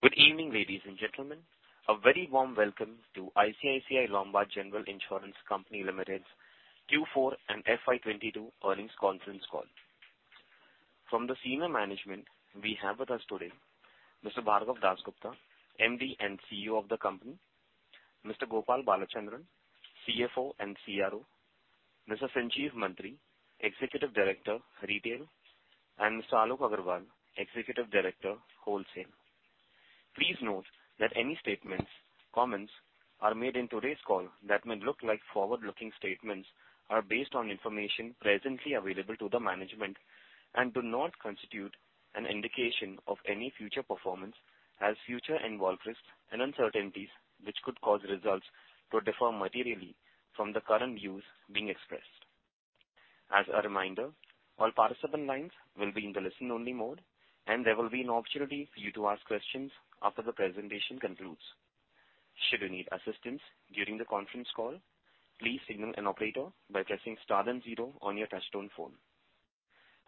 Good evening, ladies and gentlemen. A very warm welcome to ICICI Lombard General Insurance Company Limited's Q4 and FY 2022 Earnings Conference Call. From the senior management we have with us today Mr. Bhargav Dasgupta, MD and CEO of the company, Mr. Gopal Balachandran, CFO and CRO, Mr. Sanjeev Mantri, Executive Director, Retail, and Mr. Alok Agarwal, Executive Director Wholesale. Please note that any statements, comments, are made in today's call that may look like forward-looking statements are based on information presently available to the management and do not constitute an indication of any future performance as future involve risks and uncertainties which could cause results to differ materially from the current views being expressed. As a reminder, all participant lines will be in the listen-only mode, and there will be an opportunity for you to ask questions after the presentation concludes. Should you need assistance during the conference call, please signal an operator by pressing star then zero on your touchtone phone.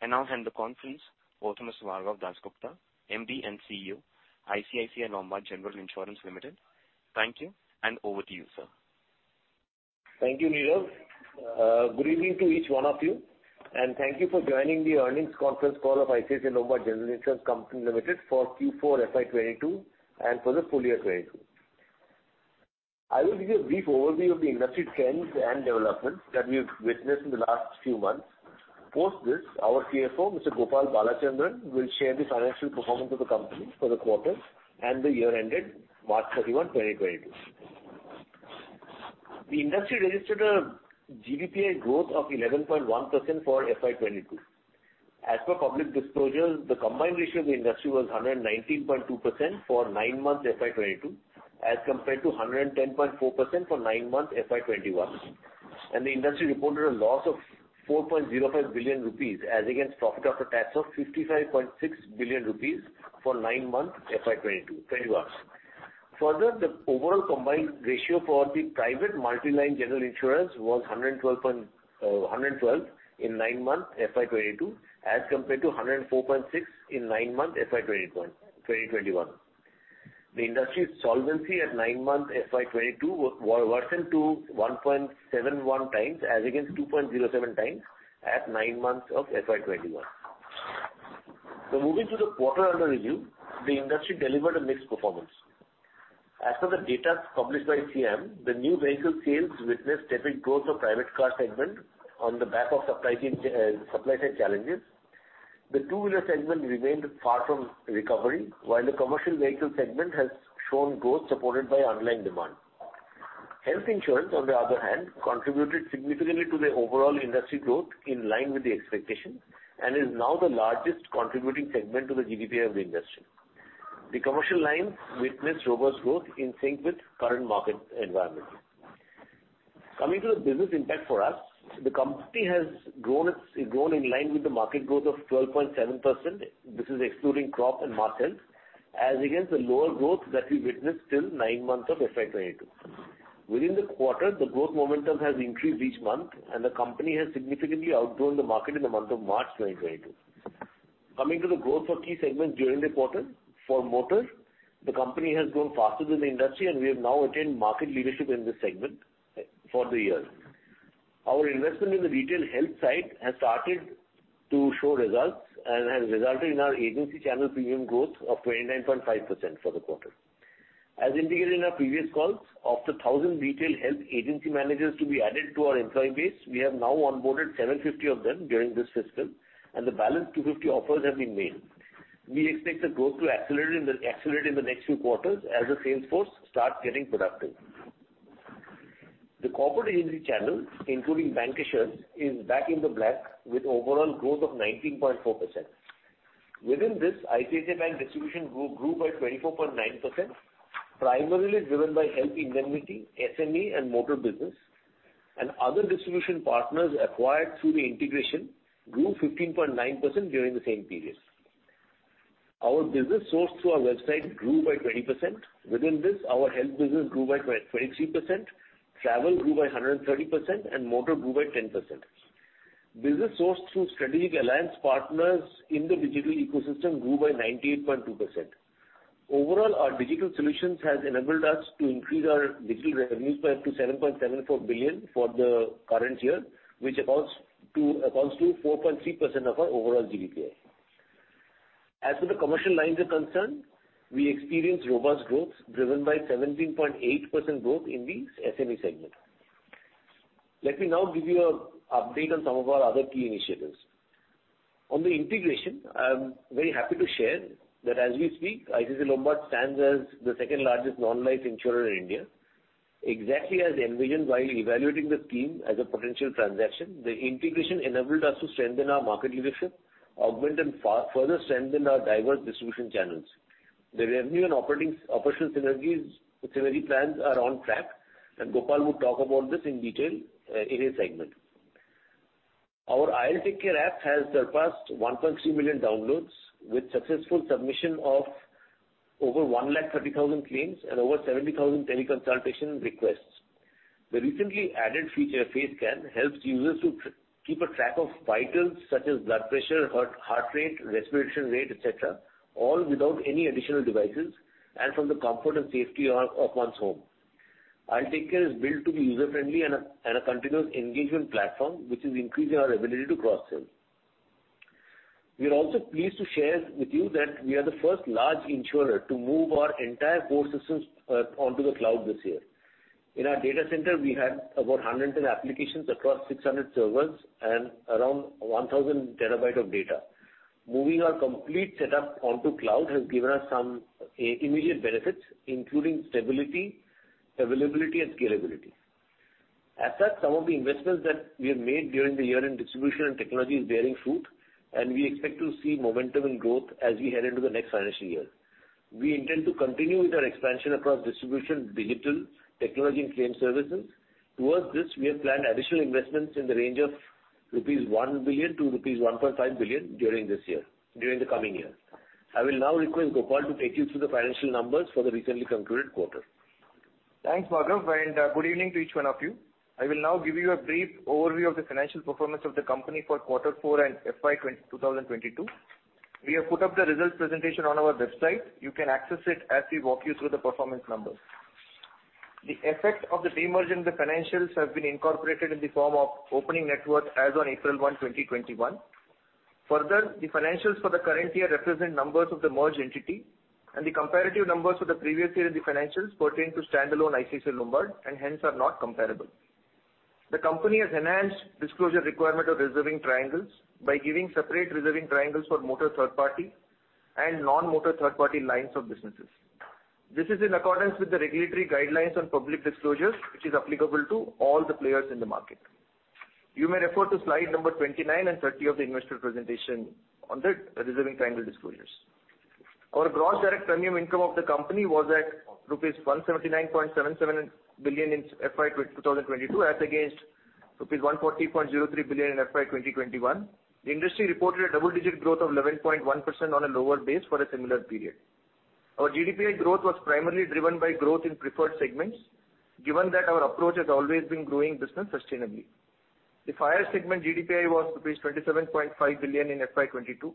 I now hand the conference over to Mr. Bhargav Dasgupta, MD and CEO, ICICI Lombard General Insurance Company Limited. Thank you, and over to you, sir. Thank you, Nirav. Good evening to each one of you, and thank you for joining the Earnings Conference call of ICICI Lombard General Insurance Company Limited for Q4 FY 2022 and for the Full Year 2022. I will give you a brief overview of the industry trends and developments that we have witnessed in the last few months. Post this, our CFO, Mr. Gopal Balachandran, will share the financial performance of the company for the quarter and the year ended March 31, 2022. The industry registered a GDPI growth of 11.1% for FY 2022. As per public disclosures, the combined ratio of the industry was 119.2% for nine months FY 2022, as compared to 110.4% for nine months FY 2021. The industry reported a loss of 4.05 billion rupees as against profit after tax of 55.6 billion rupees for nine months FY 2021-2022. Further, the overall combined ratio for the private multi-line general insurance was 112 in nine months FY 2022, as compared to 104.6 in nine months FY 2020-21. The industry's solvency at nine months FY 2022 was worsened to 1.71x as against 2.07x at nine months of FY 2021. Moving to the quarter under review, the industry delivered a mixed performance. As per the data published by SIAM, the new vehicle sales witnessed tepid growth of Private car segment on the back of supply chain challenges. The Two-wheeler segment remained far from recovery, while the Commercial vehicle segment has shown growth supported by online demand. Health insurance, on the other hand, contributed significantly to the overall industry growth in line with the expectation and is now the largest contributing segment to the GDPI of the industry. The commercial line witnessed robust growth in sync with current market environment. Coming to the business impact for us, the company has grown in line with the market growth of 12.7%. This is excluding crop and mark-to-market, as against the lower growth that we witnessed till nine months of FY 2022. Within the quarter, the growth momentum has increased each month, and the company has significantly outgrown the market in the month of March 2022. Coming to the growth of Key segments during the quarter, for motor, the company has grown faster than the industry, and we have now attained market leadership in this segment for the year. Our investment in the retail health side has started to show results and has resulted in our agency channel premium growth of 29.5% for the quarter. As indicated in our previous calls, of the 1,000 retail health agency managers to be added to our employee base, we have now onboarded 750 of them during this fiscal, and the balance 250 offers have been made. We expect the growth to accelerate in the next few quarters as the sales force starts getting productive. The corporate agency channel, including bank insurance, is back in the black with overall growth of 19.4%. Within this ICICI Bank distribution grew by 24.9%, primarily driven by health indemnity, SME and motor business. Other distribution partners acquired through the integration grew 15.9% during the same period. Our business sourced through our website grew by 20%. Within this, our health business grew by 23%, travel grew by 130% and motor grew by 10%. Business sourced through strategic alliance partners in the digital ecosystem grew by 98.2%. Overall, our digital solutions has enabled us to increase our digital revenues by up to 7.74 billion for the current year, which accounts to 4.3% of our overall GDPI. As to the commercial lines are concerned, we experienced robust growth driven by 17.8% growth in the SME segment. Let me now give you an update on some of our other key initiatives. On the integration, I am very happy to share that as we speak, ICICI Lombard stands as the second-largest non-life insurer in India. Exactly as envisioned while evaluating the team as a potential transaction, the integration enabled us to strengthen our market leadership, augment and further strengthen our diverse distribution channels. The revenue and operational synergies, synergy plans are on track, and Gopal will talk about this in detail in his segment. Our IL TakeCare app has surpassed 1.3 million downloads with successful submission of over 1.3 lakh claims and over 70,000 teleconsultation requests. The recently added feature, Face Scan, helps users to keep a track of vitals such as blood pressure, heart rate, respiration rate, et cetera, all without any additional devices and from the comfort and safety of one's home. IL TakeCare is built to be user-friendly and a continuous engagement platform, which is increasing our ability to cross-sell. We are also pleased to share with you that we are the first large insurer to move our entire core systems onto the cloud this year. In our data center, we had about 100 applications across 600 servers and around 1,000 TB of data. Moving our complete setup onto cloud has given us some immediate benefits, including stability, availability and scalability. Some of the investments that we have made during the year in distribution and technology is bearing fruit, and we expect to see momentum and growth as we head into the next financial year. We intend to continue with our expansion across distribution, digital, technology and claim services. Towards this, we have planned additional investments in the range of 1 billion-1.5 billion rupees during the coming year. I will now request Gopal to take you through the financial numbers for the recently concluded quarter. Thanks, Bhargav, and good evening to each one of you. I will now give you a brief overview of the financial performance of the company for quarter four and FY 2022. We have put up the results presentation on our website. You can access it as we walk you through the performance numbers. The effect of the merger the financials have been incorporated in the form of opening net worth as on April 1, 2021. Further, the financials for the current year represent numbers of the merged entity, and the comparative numbers for the previous year in the financials pertain to standalone ICICI Lombard, and hence are not comparable. The company has enhanced disclosure requirement of reserving triangles by giving separate reserving triangles for motor third party and non-motor third party lines of businesses. This is in accordance with the regulatory guidelines on public disclosures, which is applicable to all the players in the market. You may refer to slide number 29 and 30 of the investor presentation on the reserving triangle disclosures. Our gross direct premium income of the company was at rupees 179.77 billion in FY 2022, as against rupees 140.03 billion in FY 2021. The industry reported a double-digit growth of 11.1% on a lower base for a similar period. Our GDPI growth was primarily driven by growth in preferred segments, given that our approach has always been growing business sustainably. The Fire segment GDPI was rupees 27.5 billion in FY 2022,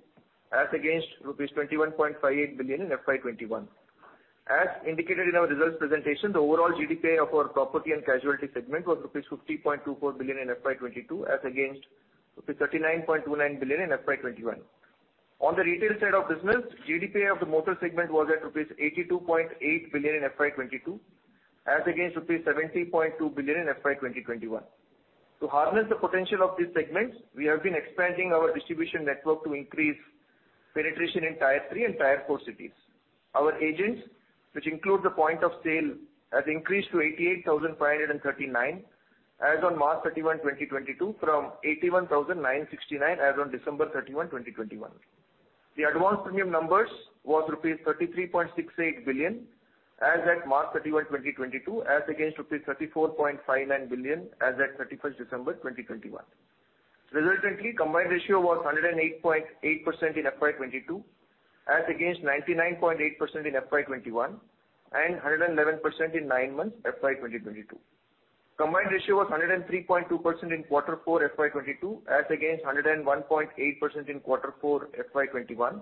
as against rupees 21.58 billion in FY 2021. As indicated in our results presentation, the overall GDPI of our Property and Casualty segment was rupees 50.24 billion in FY 2022, as against rupees 39.29 billion in FY 2021. On the retail side of business, GDPI of the Motor segment was at rupees 82.8 billion in FY 2022, as against rupees 70.2 billion in FY 2021. To harness the potential of these segments, we have been expanding our distribution network to increase penetration in Tier 3 and Tier 4 cities. Our agents, which include the point of sale, has increased to 88,539 as on March 31, 2022, from 81,969 as on December 31, 2021. The advanced premium numbers was rupees 33.68 billion as at March 31, 2022, as against rupees 34.59 billion as at December 31, 2021. Resultantly, combined ratio was 108.8% in FY 2022, as against 99.8% in FY 2021, and 111% in nine months FY 2022. Combined ratio was 103.2% in quarter four FY 2022, as against 101.8% in quarter four FY 2021,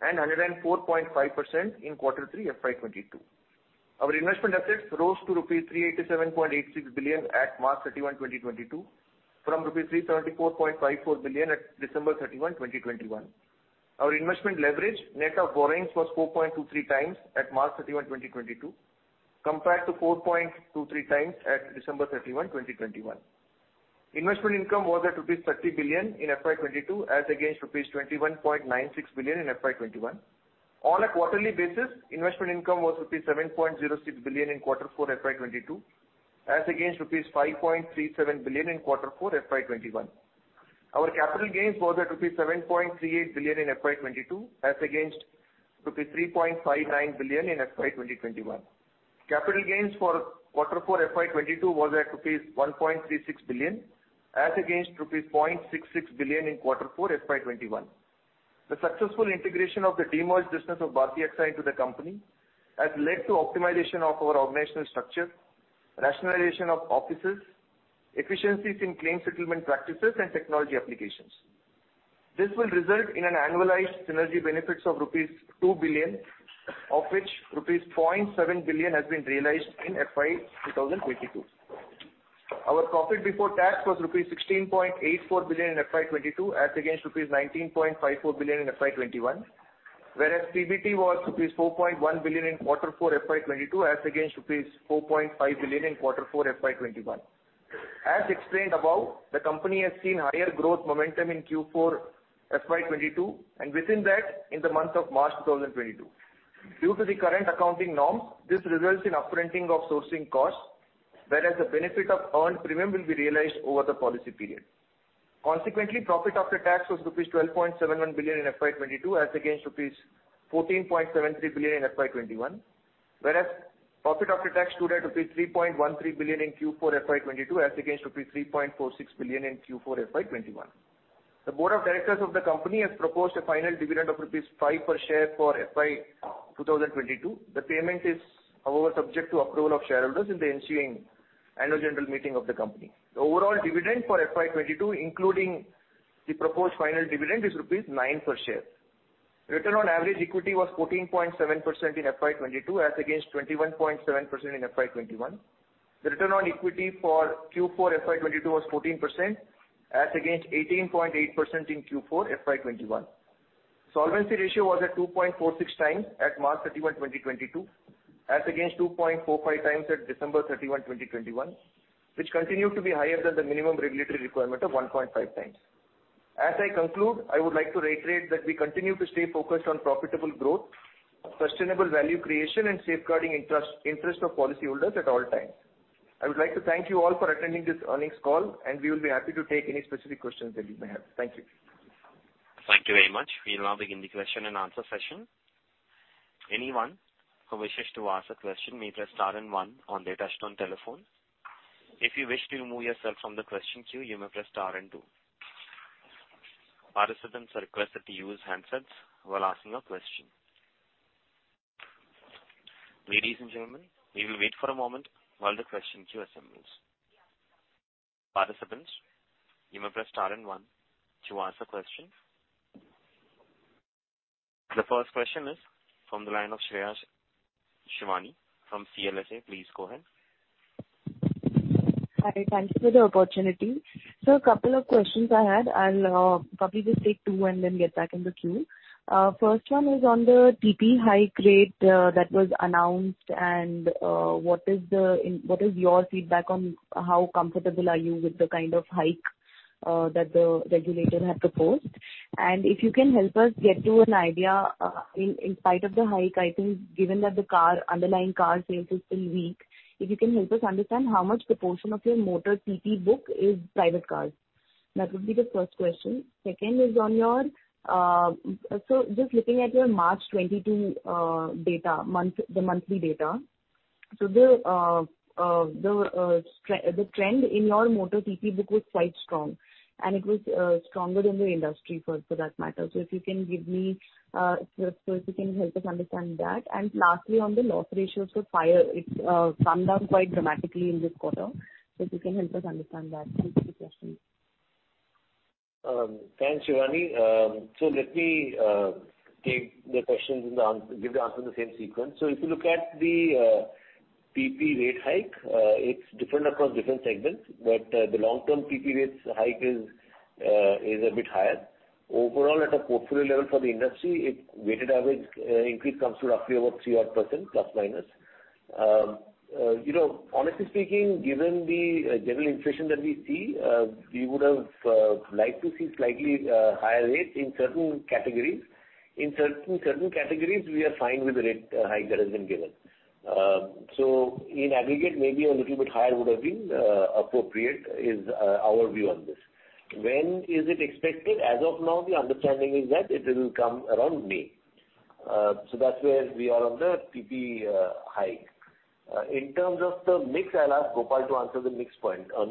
and 104.5% in quarter three FY 2022. Our investment assets rose to rupees 387.86 billion at March 31, 2022, from rupees 334.54 billion at December 31, 2021. Our investment leverage net of borrowings was 4.23x at March 31, 2022, compared to 4.23x at December 31, 2021. Investment income was at rupees 30 billion in FY 2022, as against rupees 21.96 billion in FY 2021. On a quarterly basis, investment income was rupees 7.06 billion in quarter 4 FY 2022, as against rupees 5.37 billion in quarter 4 FY 2021. Our capital gains was at rupees 7.38 billion in FY 2022, as against rupees 3.59 billion in FY 2021. Capital gains for quarter 4 FY 2022 was at rupees 1.36 billion, as against rupees 0.66 billion in quarter 4 FY 2021. The successful integration of the demerged business of Bharti AXA to the company has led to optimization of our organizational structure, rationalization of offices, efficiencies in claim settlement practices and technology applications. This will result in an annualized synergy benefits of rupees 2 billion, of which rupees 0.7 billion has been realized in FY 2022. Our profit before tax was rupees 16.84 billion in FY 2022, as against rupees 19.54 billion in FY 2021. Whereas PBT was rupees 4.1 billion in quarter four FY 2022, as against rupees 4.5 billion in quarter four FY 2021. As explained above, the company has seen higher growth momentum in Q4 FY 2022, and within that, in the month of March 2022. Due to the current accounting norms, this results in up-fronting of sourcing costs, whereas the benefit of earned premium will be realized over the policy period. Consequently, profit after tax was rupees 12.71 billion in FY 2022, as against rupees 14.73 billion in FY 2021. Whereas profit after tax stood at rupees 3.13 billion in Q4 FY 2022, as against rupees 3.46 billion in Q4 FY 2021. The board of directors of the company has proposed a final dividend of rupees 5 per share for FY 2022. The payment is, however, subject to approval of shareholders in the ensuing annual general meeting of the company. The overall dividend for FY 2022, including the proposed final dividend is rupees 9 per share. Return on average equity was 14.7% in FY 2022, as against 21.7% in FY 2021. The return on equity for Q4 FY 2022 was 14% as against 18.8% in Q4 FY 2021. Solvency ratio was at 2.46x at March 31, 2022, as against 2.45x at December 31, 2021, which continued to be higher than the minimum regulatory requirement of 1.5x. As I conclude, I would like to reiterate that we continue to stay focused on profitable growth, sustainable value creation and safeguarding the interests of policyholders at all times. I would like to thank you all for attending this earnings call, and we will be happy to take any specific questions that you may have. Thank you. Thank you very much. We'll now begin the question-and-answer session. Anyone who wishes to ask a question may press star and one on their touch-tone telephone. If you wish to remove yourself from the question queue, you may press star and two. Participants are requested to use handsets while asking a question. Ladies and gentlemen, we will wait for a moment while the question queue assembles. Participants, you may press star and one to ask a question. The first question is from the line of Shreya Shivani from CLSA. Please go ahead. Hi. Thank you for the opportunity. A couple of questions I had. I'll probably just take two and then get back in the queue. First one is on the TP hike rate that was announced and what is your feedback on how comfortable are you with the kind of hike that the regulator had proposed? And if you can help us get to an idea, in spite of the hike, I think given that the underlying car sales is still weak, if you can help us understand how much proportion of your motor TP book is private cars. That would be the first question. Second is on your, so just looking at your March 2022, the monthly data. The trend in your motor TP book was quite strong, and it was stronger than the industry for that matter. If you can help us understand that. Lastly, on the loss ratios for fire, it's come down quite dramatically in this quarter. If you can help us understand that. Thanks for the questions. Thanks, Shivani. Let me give the answer in the same sequence. If you look at the TP rate hike, it's different across different segments, but the long-term TP rates hike is a bit higher. Overall, at a portfolio level for the industry, its weighted average increase comes to roughly about three odd percent plus minus. You know, honestly speaking, given the general inflation that we see, we would have liked to see slightly higher rates in certain categories. In certain categories we are fine with the rate hike that has been given. In aggregate, maybe a little bit higher would have been appropriate is our view on this. When is it expected? As of now, the understanding is that it will come around May. That's where we are on the TP hike. In terms of the mix, I'll ask Gopal to answer the mix point on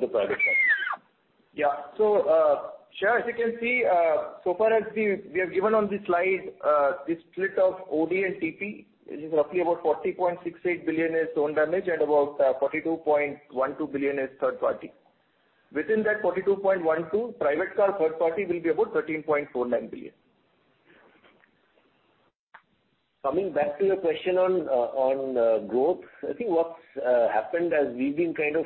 the private side. Sure. As you can see, we have given on the slide the split of OD and TP is roughly about 40.68 billion is own damage and about 42.12 billion is third party. Within that 42.12 billion, private car third party will be about 13.49 billion. Coming back to your question on growth, I think what's happened, as we've been kind of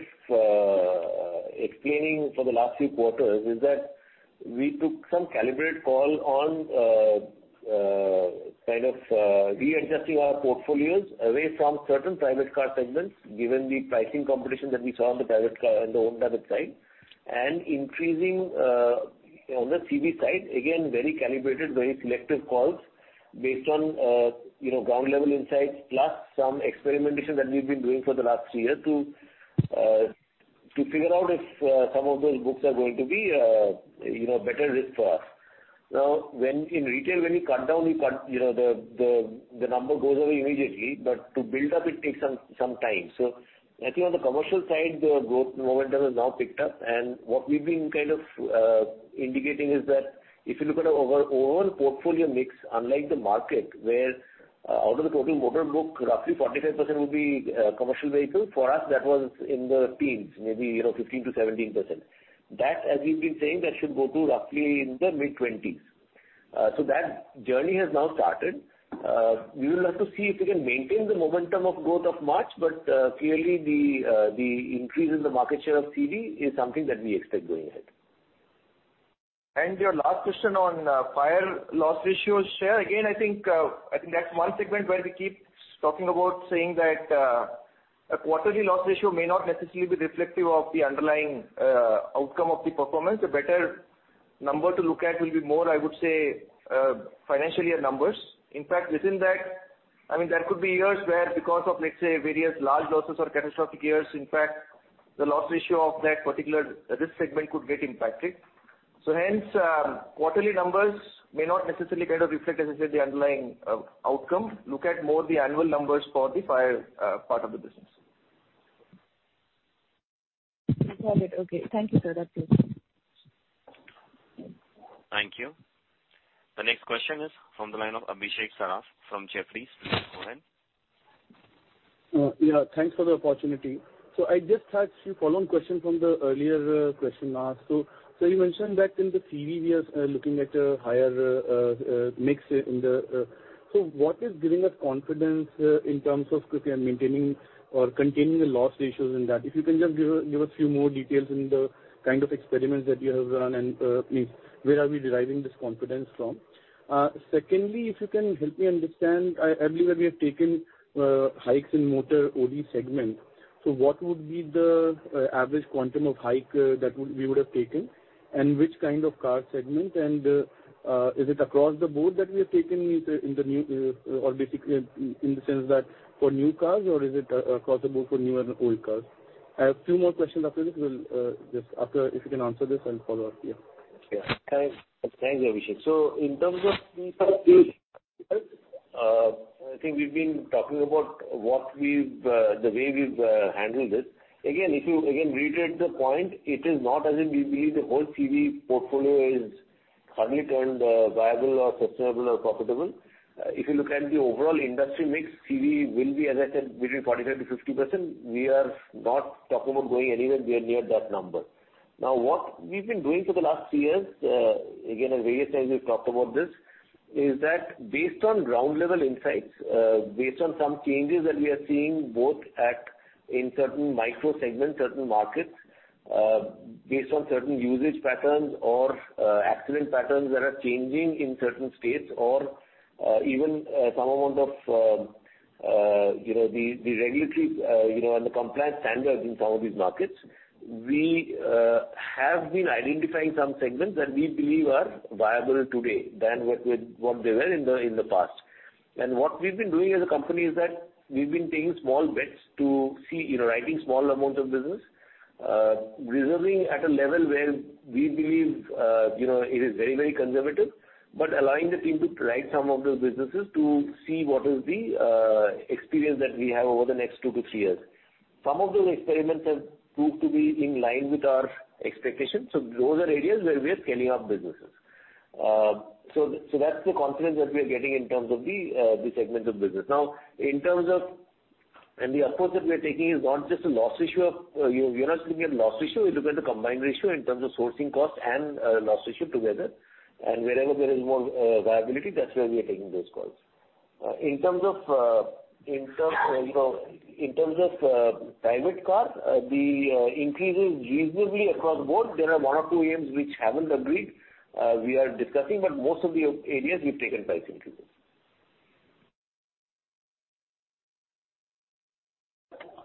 explaining for the last few quarters, is that we took some calibrated call on kind of readjusting our portfolios away from certain Private car segments, given the pricing competition that we saw on the private car and the own damage side. Increasing on the CV side, again, very calibrated, very selective calls based on you know, ground level insights, plus some experimentation that we've been doing for the last year to figure out if some of those books are going to be you know, better risk for us. Now, when in retail, you cut down, you know, the number goes away immediately, but to build up it takes some time. I think on the commercial side, the growth momentum has now picked up. What we've been kind of indicating is that if you look at our overall portfolio mix, unlike the market, where out of the total motor book, roughly 45% will be commercial vehicles. For us, that was in the teens, maybe, you know, 15%-17%. That, as we've been saying, should go to roughly in the mid-20s. That journey has now started. We will have to see if we can maintain the momentum of growth of March, but clearly the increase in the market share of CV is something that we expect going ahead. Your last question on fire loss ratios share. Again, I think that's one segment where we keep talking about saying that a quarterly loss ratio may not necessarily be reflective of the underlying outcome of the performance. A better number to look at will be more, I would say, financial year numbers. In fact, within that, I mean, there could be years where because of, let's say, various large losses or catastrophic years, in fact, the loss ratio of that particular Risk segment could get impacted. Hence, quarterly numbers may not necessarily kind of reflect the underlying outcome. Look at more the annual numbers for the fire part of the business. Got it. Okay. Thank you, sir. That's it. Thank you. The next question is from the line of Abhishek Saraf from Jefferies. Go ahead. Yeah, thanks for the opportunity. I just had a few follow-on questions from the earlier question asked. You mentioned that in the CV we are looking at a higher mix in the. What is giving us confidence in terms of because we are maintaining or continuing the loss ratios in that? If you can just give a few more details in the kind of experiments that you have run and means where are we deriving this confidence from? Secondly, if you can help me understand, I believe that we have taken hikes in Motor OD segment. What would be the average quantum of hike we would have taken, and which kind of Car segment, and is it across the board that we have taken it in the new or basically in the sense that for new cars or is it across the board for new and old cars? I have two more questions after this. We'll just after if you can answer this, I'll follow up. Yeah. Yeah. Thanks. Thanks, Abhishek. In terms of the,--I think we've been talking about the way we've handled this. Again, if you reiterate the point, it is not as if we believe the whole CV portfolio is currently turned viable, or sustainable or profitable. If you look at the overall industry mix, CV will be, as I said, between 45%-50%. We are not talking about going anywhere near that number. Now, what we've been doing for the last three years, again, on various times we've talked about this, is that based on ground level insights, based on some changes that we are seeing both in certain micro segments, certain markets, based on certain usage patterns or accident patterns that are changing in certain states or even some amount of you know the regulatory you know and the compliance standards in some of these markets, we have been identifying some segments that we believe are viable today than what they were in the past. What we've been doing as a company is that we've been taking small bets to see, you know, writing small amounts of business, reserving at a level where we believe, you know, it is very, very conservative, but allowing the team to write some of those businesses to see what is the experience that we have over the next two-three years. Some of those experiments have proved to be in line with our expectations, so those are areas where we are scaling up businesses. So that's the confidence that we are getting in terms of the segment of business. Now, in terms of-- The approach that we are taking is not just a loss ratio of, you know, you're not looking at loss ratio, you look at the combined ratio in terms of sourcing costs and, loss ratio together. Wherever there is more viability, that's where we are taking those calls. In terms of private cars, the increase is reasonably across the board. There are one or two OEMs which haven't agreed. We are discussing, but most of the areas we've taken price increases.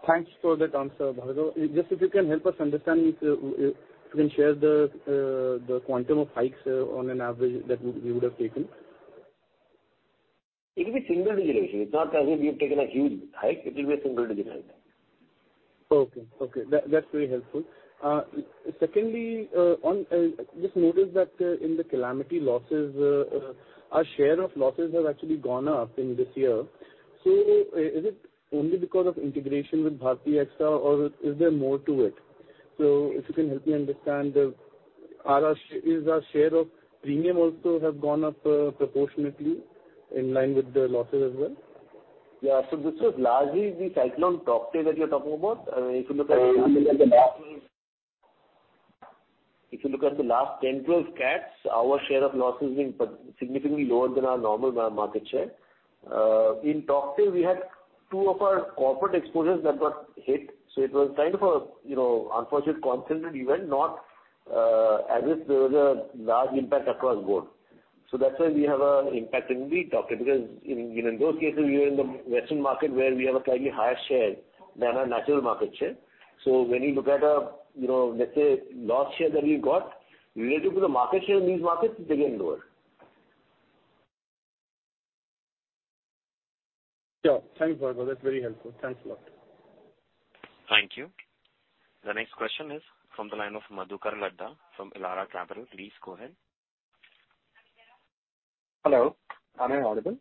Thanks for that answer, Bhargav. Just if you can help us understand if you can share the quantum of hikes on an average that we would have taken. It'll be single-digit ratio. It's not as if we have taken a huge hike. It will be a single-digit hike. Okay. That’s very helpful. Secondly, I just noticed that in the calamity losses our share of losses have actually gone up in this year. Is it only because of integration with Bharti AXA or is there more to it? If you can help me understand, is our share of premium also have gone up proportionately in line with the losses as well? This is largely the Cyclone Tauktae that you're talking about. I mean, if you look at the last 10, 12 CATs, our share of loss has been significantly lower than our normal market share. In Tauktae we had two of our corporate exposures that got hit, so it was kind of a, you know, unfortunate concentrated event, not as if there was a large impact across board. That's why we have an impact only in Tauktae because in, you know, in those cases we are in the western market where we have a slightly higher share than our natural market share. When you look at, you know, let's say, loss share that we got related to the market share in these markets, they get lower. Sure. Thank you, Bhargav. That's very helpful. Thanks a lot. Thank you. The next question is from the line of Madhukar Ladha from Elara Capital. Please go ahead. Hello, am I audible?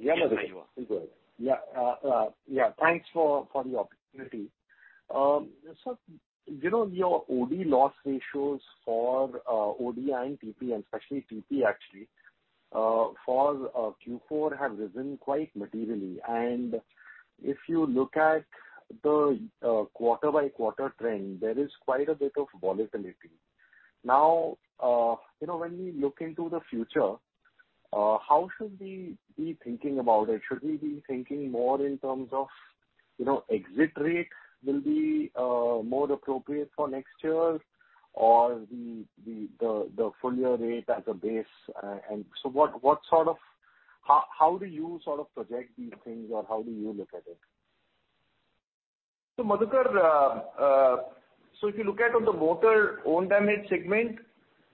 Yeah, Madhukar. Go ahead. Yeah, thanks for the opportunity. Sir, you know, your OD loss ratios for OD and TP, and especially TP actually for Q4 have risen quite materially. If you look at the quarter-by-quarter trend, there is quite a bit of volatility. Now, you know, when we look into the future, how should we be thinking about it? Should we be thinking more in terms of, you know, exit rate will be more appropriate for next year or the full year rate as a base? How do you sort of project these things or how do you look at it? Madhukar, if you look at the Motor own damage segment,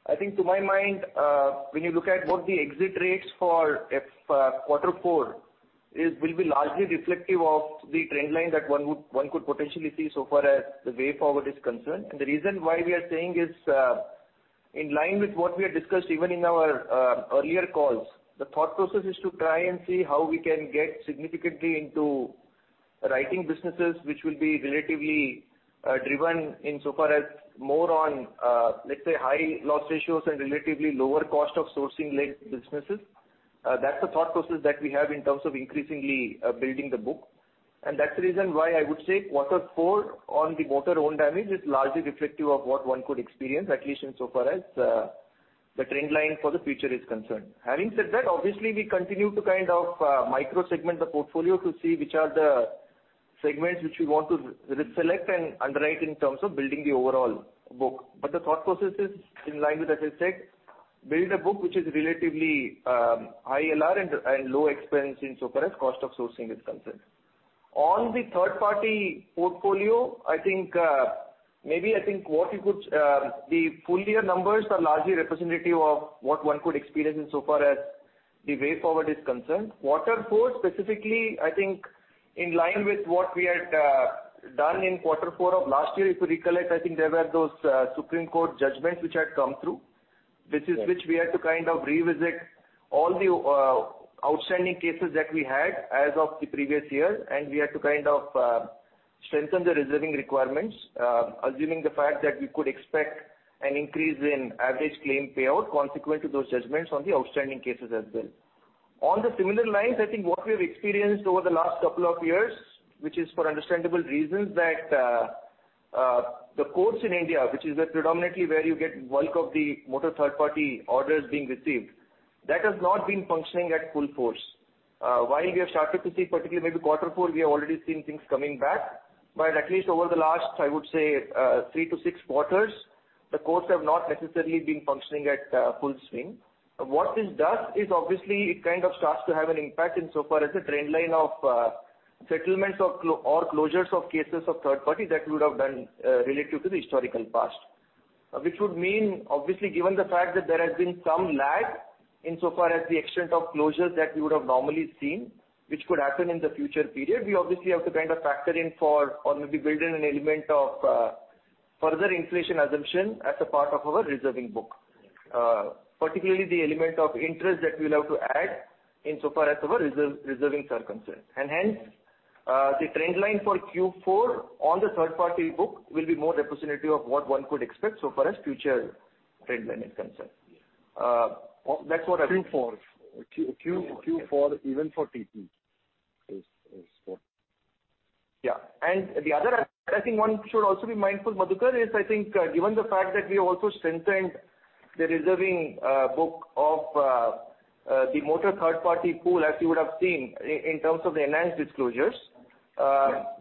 I think to my mind, when you look at what the exit rates for FY quarter four is, will be largely reflective of the trend line that one could potentially see so far as the way forward is concerned. The reason why we are saying is In line with what we had discussed even in our earlier calls, the thought process is to try and see how we can get significantly into writing businesses which will be relatively driven insofar as more on, let's say, high loss ratios and relatively lower cost of sourcing-led businesses. That's the thought process that we have in terms of increasingly building the book. That's the reason why I would say quarter four on the motor own damage is largely reflective of what one could experience, at least insofar as the trend line for the future is concerned. Having said that, obviously we continue to kind of micro-segment the portfolio to see which are the segments which we want to reselect and underwrite in terms of building the overall book. The thought process is in line with, as I said, build a book which is relatively, high LR and low expense insofar as cost of sourcing is concerned. On the third-party portfolio, I think the full year numbers are largely representative of what one could experience insofar as the way forward is concerned. Quarter four specifically, I think in line with what we had done in quarter four of last year. If you recollect, I think there were those Supreme Court judgments which had come through. Yes. This is where we had to kind of revisit all the outstanding cases that we had as of the previous year, and we had to kind of strengthen the reserving requirements, assuming the fact that we could expect an increase in average claim payout consequent to those judgments on the outstanding cases as well. On similar lines, I think what we have experienced over the last couple of years, which is for understandable reasons that the courts in India, which is predominantly where you get bulk of the motor third party orders being received, that has not been functioning at full force. While we have started to see, particularly maybe quarter four, we have already seen things coming back. At least over the last, I would say, three-six quarters, the courts have not necessarily been functioning at full swing. What this does is obviously it kind of starts to have an impact insofar as the trend line of settlements or closures of cases of third party that we would have done relative to the historical past. Which would mean obviously, given the fact that there has been some lag insofar as the extent of closures that we would have normally seen, which could happen in the future period, we obviously have to kind of factor in or maybe build in an element of further inflation assumption as a part of our reserving book. Particularly the element of interest that we'll have to add insofar as our reserving are concerned. Hence, the trend line for Q4 on the third-party book will be more representative of what one could expect so far as future trend line is concerned. That's what I would-- Q4 even for TP is what? The other thing I think one should also be mindful of, Madhukar, is, I think, given the fact that we have also strengthened the reserving book of the motor third-party pool, as you would have seen in terms of the enhanced disclosures.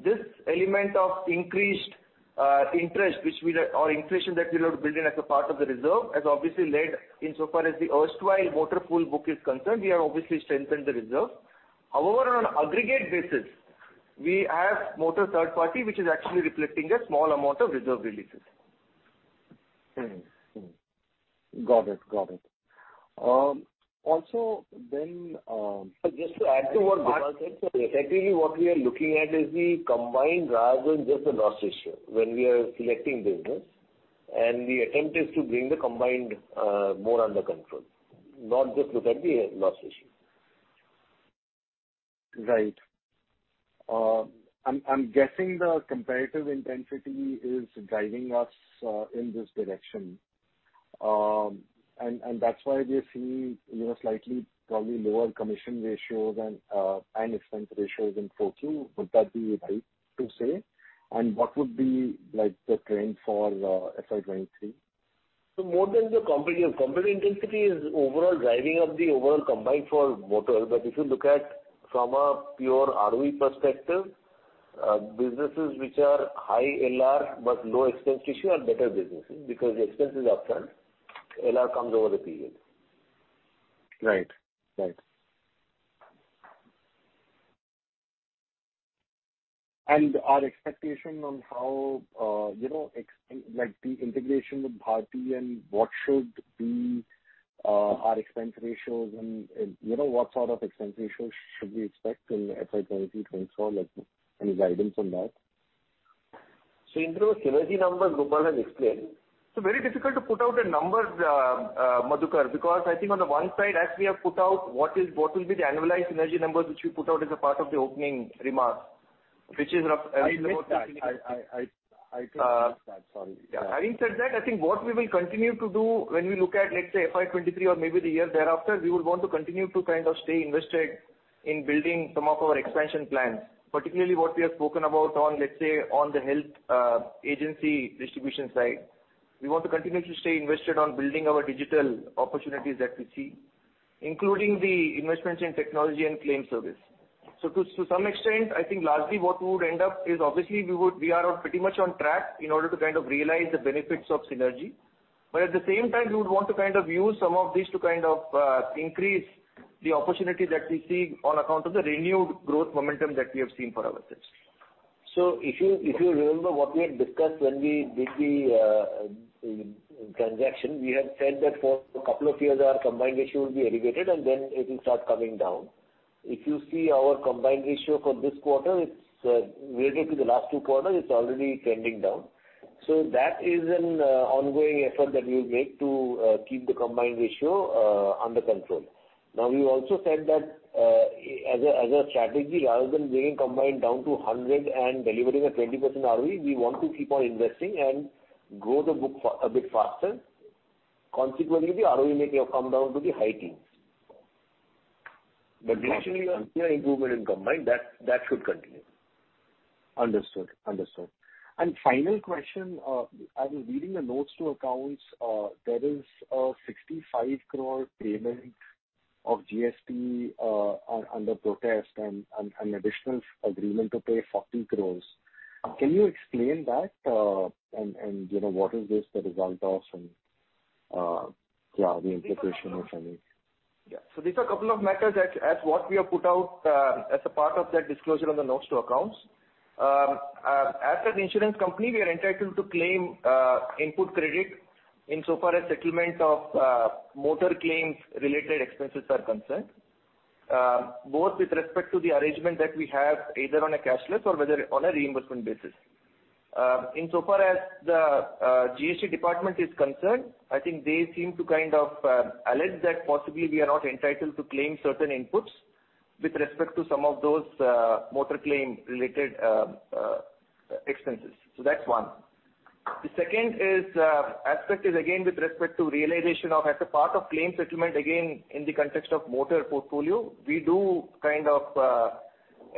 This element of increased interest or inflation that we'll have to build in as a part of the reserve has obviously led insofar as the erstwhile motor TP pool book is concerned, we have obviously strengthened the reserve. However, on an aggregate basis, we have motor third party, which is actually reflecting a small amount of reserve releases. Got it. Also then. Just to add to what Madhukar said, so effectively what we are looking at is the combined rather than just the loss ratio when we are selecting business. The attempt is to bring the combined more under control, not just look at the loss ratio. Right. I'm guessing the competitive intensity is driving us in this direction. That's why we are seeing, you know, slightly probably lower commission ratios and expense ratios in 4Q. Would that be right to say? What would be, like, the trend for FY 2023? More than the competitive intensity is overall driving up the overall combined for motor. If you look at from a pure ROE perspective, businesses which are high LR but low expense ratio are better businesses because the expense is upfront, LR comes over the period. Right. Our expectation on how the integration with Bharti and what should be our expense ratios and what sort of expense ratios should we expect in FY 2023, 2024? Like any guidance on that? In terms of synergy numbers, Gopal has explained. Very difficult to put out a number, Madhukar, because I think on the one side, as we have put out what is, what will be the annualized synergy numbers, which we put out as a part of the opening remarks, which is rough. I missed that. I think I missed that. Sorry. Yeah. Having said that, I think what we will continue to do when we look at, let's say, FY 2023 or maybe the year thereafter, we would want to continue to kind of stay invested in building some of our expansion plans, particularly what we have spoken about on, let's say, on the health agency distribution side. We want to continue to stay invested on building our digital opportunities that we see, including the investments in technology and claim service. To some extent, I think largely what we would end up is obviously we are pretty much on track in order to kind of realize the benefits of synergy. At the same time, we would want to kind of use some of this to kind of increase the opportunity that we see on account of the renewed growth momentum that we have seen for ourselves. If you remember what we had discussed when we did the transaction, we had said that for a couple of years our combined ratio will be aggregated and then it will start coming down. If you see our combined ratio for this quarter, it's related to the last two quarters, it's already trending down. That is an ongoing effort that we will make to keep the combined ratio under control. Now, we also said that, as a strategy, rather than bringing combined down to 100 and delivering a 20% ROE, we want to keep on investing and grow the book a bit faster. Consequently, the ROE may have come down to the high teens. Recently, a clear improvement in combined, that should continue. Understood. Final question, I was reading the notes to accounts. There is a 65 crore payment of GST under protest and an additional agreement to pay 40 crores. Can you explain that, and you know, what is this the result of and yeah, the implication of same? Yeah. These are a couple of matters that is what we have put out, as a part of that disclosure on the notes to accounts. As an insurance company, we are entitled to claim input credit insofar as settlement of motor claims related expenses are concerned, both with respect to the arrangement that we have either on a cashless or on a reimbursement basis. Insofar as the GST department is concerned, I think they seem to kind of allege that possibly we are not entitled to claim certain inputs with respect to some of those motor claim-related expenses. That's one. The second aspect is again with respect to realization, as a part of claim settlement, again, in the context of motor portfolio, we do kind of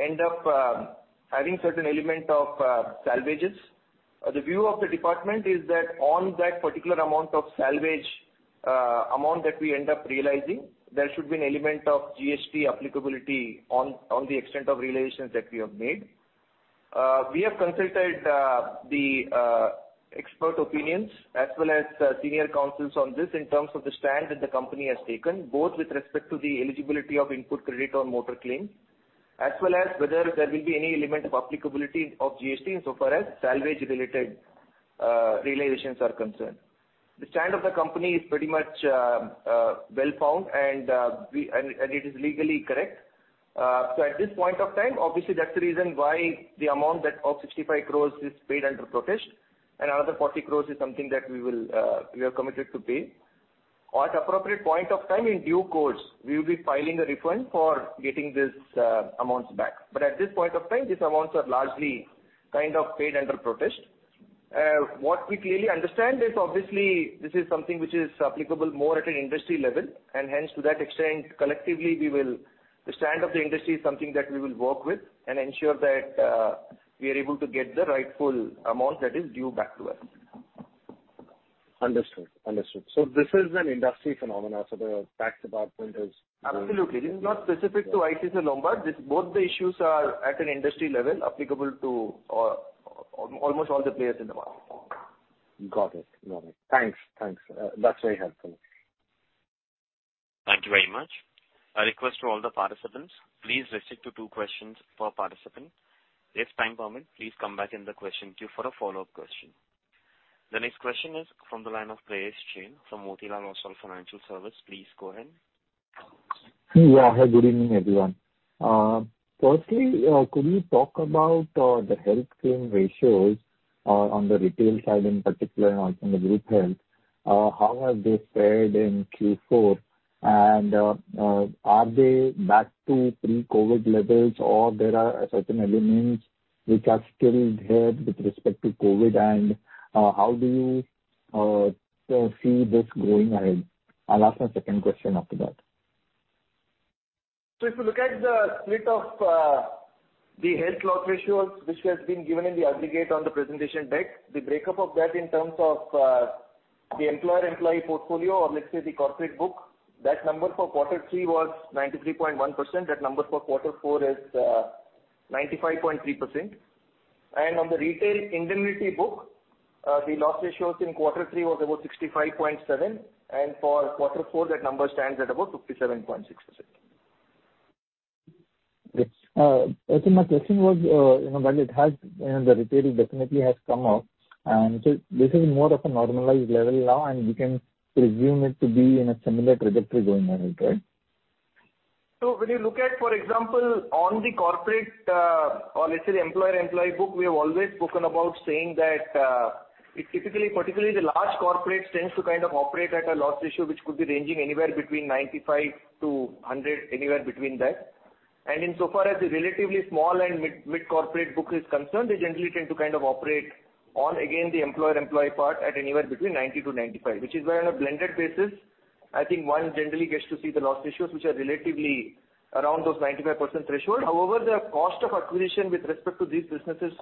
end up having certain element of salvages. The view of the department is that on that particular amount of salvage amount that we end up realizing, there should be an element of GST applicability on the extent of realizations that we have made. We have consulted the expert opinions as well as senior counsels on this in terms of the stand that the company has taken, both with respect to the eligibility of input credit on motor claims, as well as whether there will be any element of applicability of GST insofar as salvage related realizations are concerned. The stand of the company is pretty much well-founded and it is legally correct. At this point of time, obviously that's the reason why the amount of 65 crore is paid under protest and another 40 crore is something that we are committed to pay. At appropriate point of time in due course, we will be filing for a refund for getting these amounts back. At this point of time, these amounts are largely kind of paid under protest. What we clearly understand is obviously this is something which is applicable more at an industry level, and hence to that extent, collectively, the stand of the industry is something that we will work with and ensure that we are able to get the rightful amount that is due back to us. Understood. This is an industry phenomenon. The tax department is. Absolutely. This is not specific to ICICI Lombard. This both the issues are at an industry level applicable to almost all the players in the market. Got it. Thanks. That's very helpful. Thank you very much. A request to all the participants, please restrict to two questions per participant. If time permit, please come back in the question queue for a follow-up question. The next question is from the line of Prayesh Jain from Motilal Oswal Financial Services. Please go ahead. Yeah. Hi, good evening, everyone. Firstly, could you talk about the health claim ratios on the retail side in particular and also in the group health? How have they fared in Q4 and are they back to pre-COVID levels or there are certain elements which are still there with respect to COVID and how do you see this going ahead? I'll ask my second question after that. If you look at the split of the health loss ratios, which has been given in the aggregate on the presentation deck, the breakup of that in terms of the employer-employee portfolio or let's say the corporate book, that number for quarter three was 93.1%. That number for quarter four is 95.3%. On the retail indemnity book, the loss ratios in quarter three was about 65.7%, and for quarter four that number stands at about 57.6%. Yes. I think my question was, you know, while it has, you know, the retail definitely has come up, and so this is more of a normalized level now and we can presume it to be in a similar trajectory going ahead, right? When you look at, for example, on the corporate, or let's say the employer-employee book, we have always spoken about saying that, it typically, particularly the large corporate tends to kind of operate at a loss ratio, which could be ranging anywhere between 95%-100%, anywhere between that. Insofar as the relatively small and mid corporate book is concerned, they generally tend to kind of operate on again, the employer-employee part at anywhere between 90%-95%, which is where on a blended basis, I think one generally gets to see the loss ratios which are relatively around that 95% threshold. However, the cost of acquisition with respect to these businesses,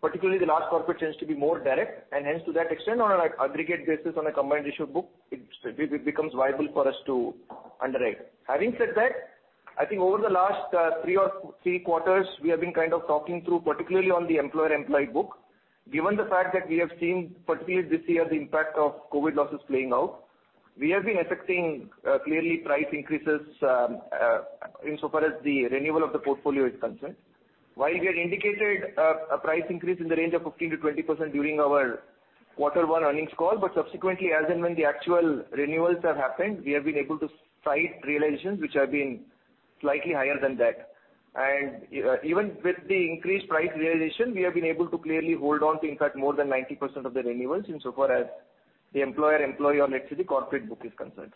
particularly the large corporate, tends to be more direct and hence to that extent on an aggregate basis on a combined ratio book, it becomes viable for us to underwrite. Having said that, I think over the last three quarters, we have been kind of talking through, particularly on the employer-employee book. Given the fact that we have seen particularly this year the impact of COVID losses playing out, we have been effecting clearly price increases insofar as the renewal of the portfolio is concerned. While we had indicated a price increase in the range of 15%-20% during our quarter one earnings call, but subsequently, as and when the actual renewals have happened, we have been able to achieve realizations which have been slightly higher than that. Even with the increased price realization, we have been able to clearly hold on to in fact more than 90% of the renewals insofar as the employer-employee or let's say the corporate book is concerned.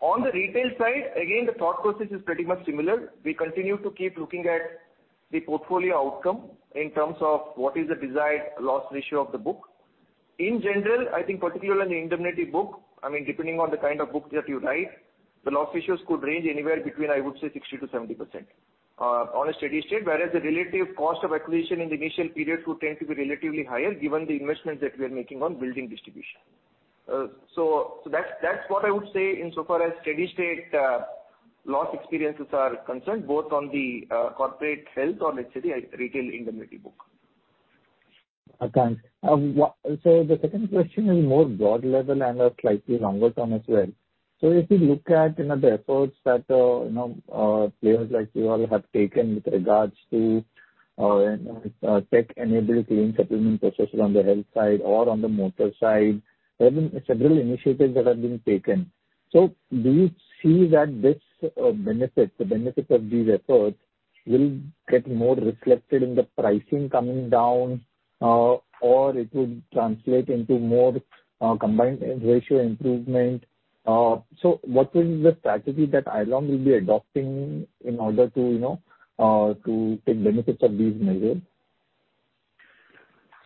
On the retail side, again, the thought process is pretty much similar. We continue to keep looking at the portfolio outcome in terms of what is the desired loss ratio of the book. In general, I think particularly on the indemnity book, I mean, depending on the kind of book that you write, the loss ratios could range anywhere between, I would say, 60%-70% on a steady state, whereas the relative cost of acquisition in the initial period could tend to be relatively higher given the investments that we are making on building distribution. So that's what I would say insofar as steady state loss experiences are concerned, both on the corporate health or let's say the retail indemnity book. Thanks. The second question is more broad level and a slightly longer term as well. If you look at, you know, the efforts that, you know, players like you all have taken with regards to, you know, tech-enabled claim settlement processes on the health side or on the motor side, there have been several initiatives that have been taken. Do you see that the benefits of these efforts will get more reflected in the pricing coming down, or it will translate into more combined ratio improvement? What will be the strategy that ICICI Lombard will be adopting in order to, you know, to take benefits of these measures?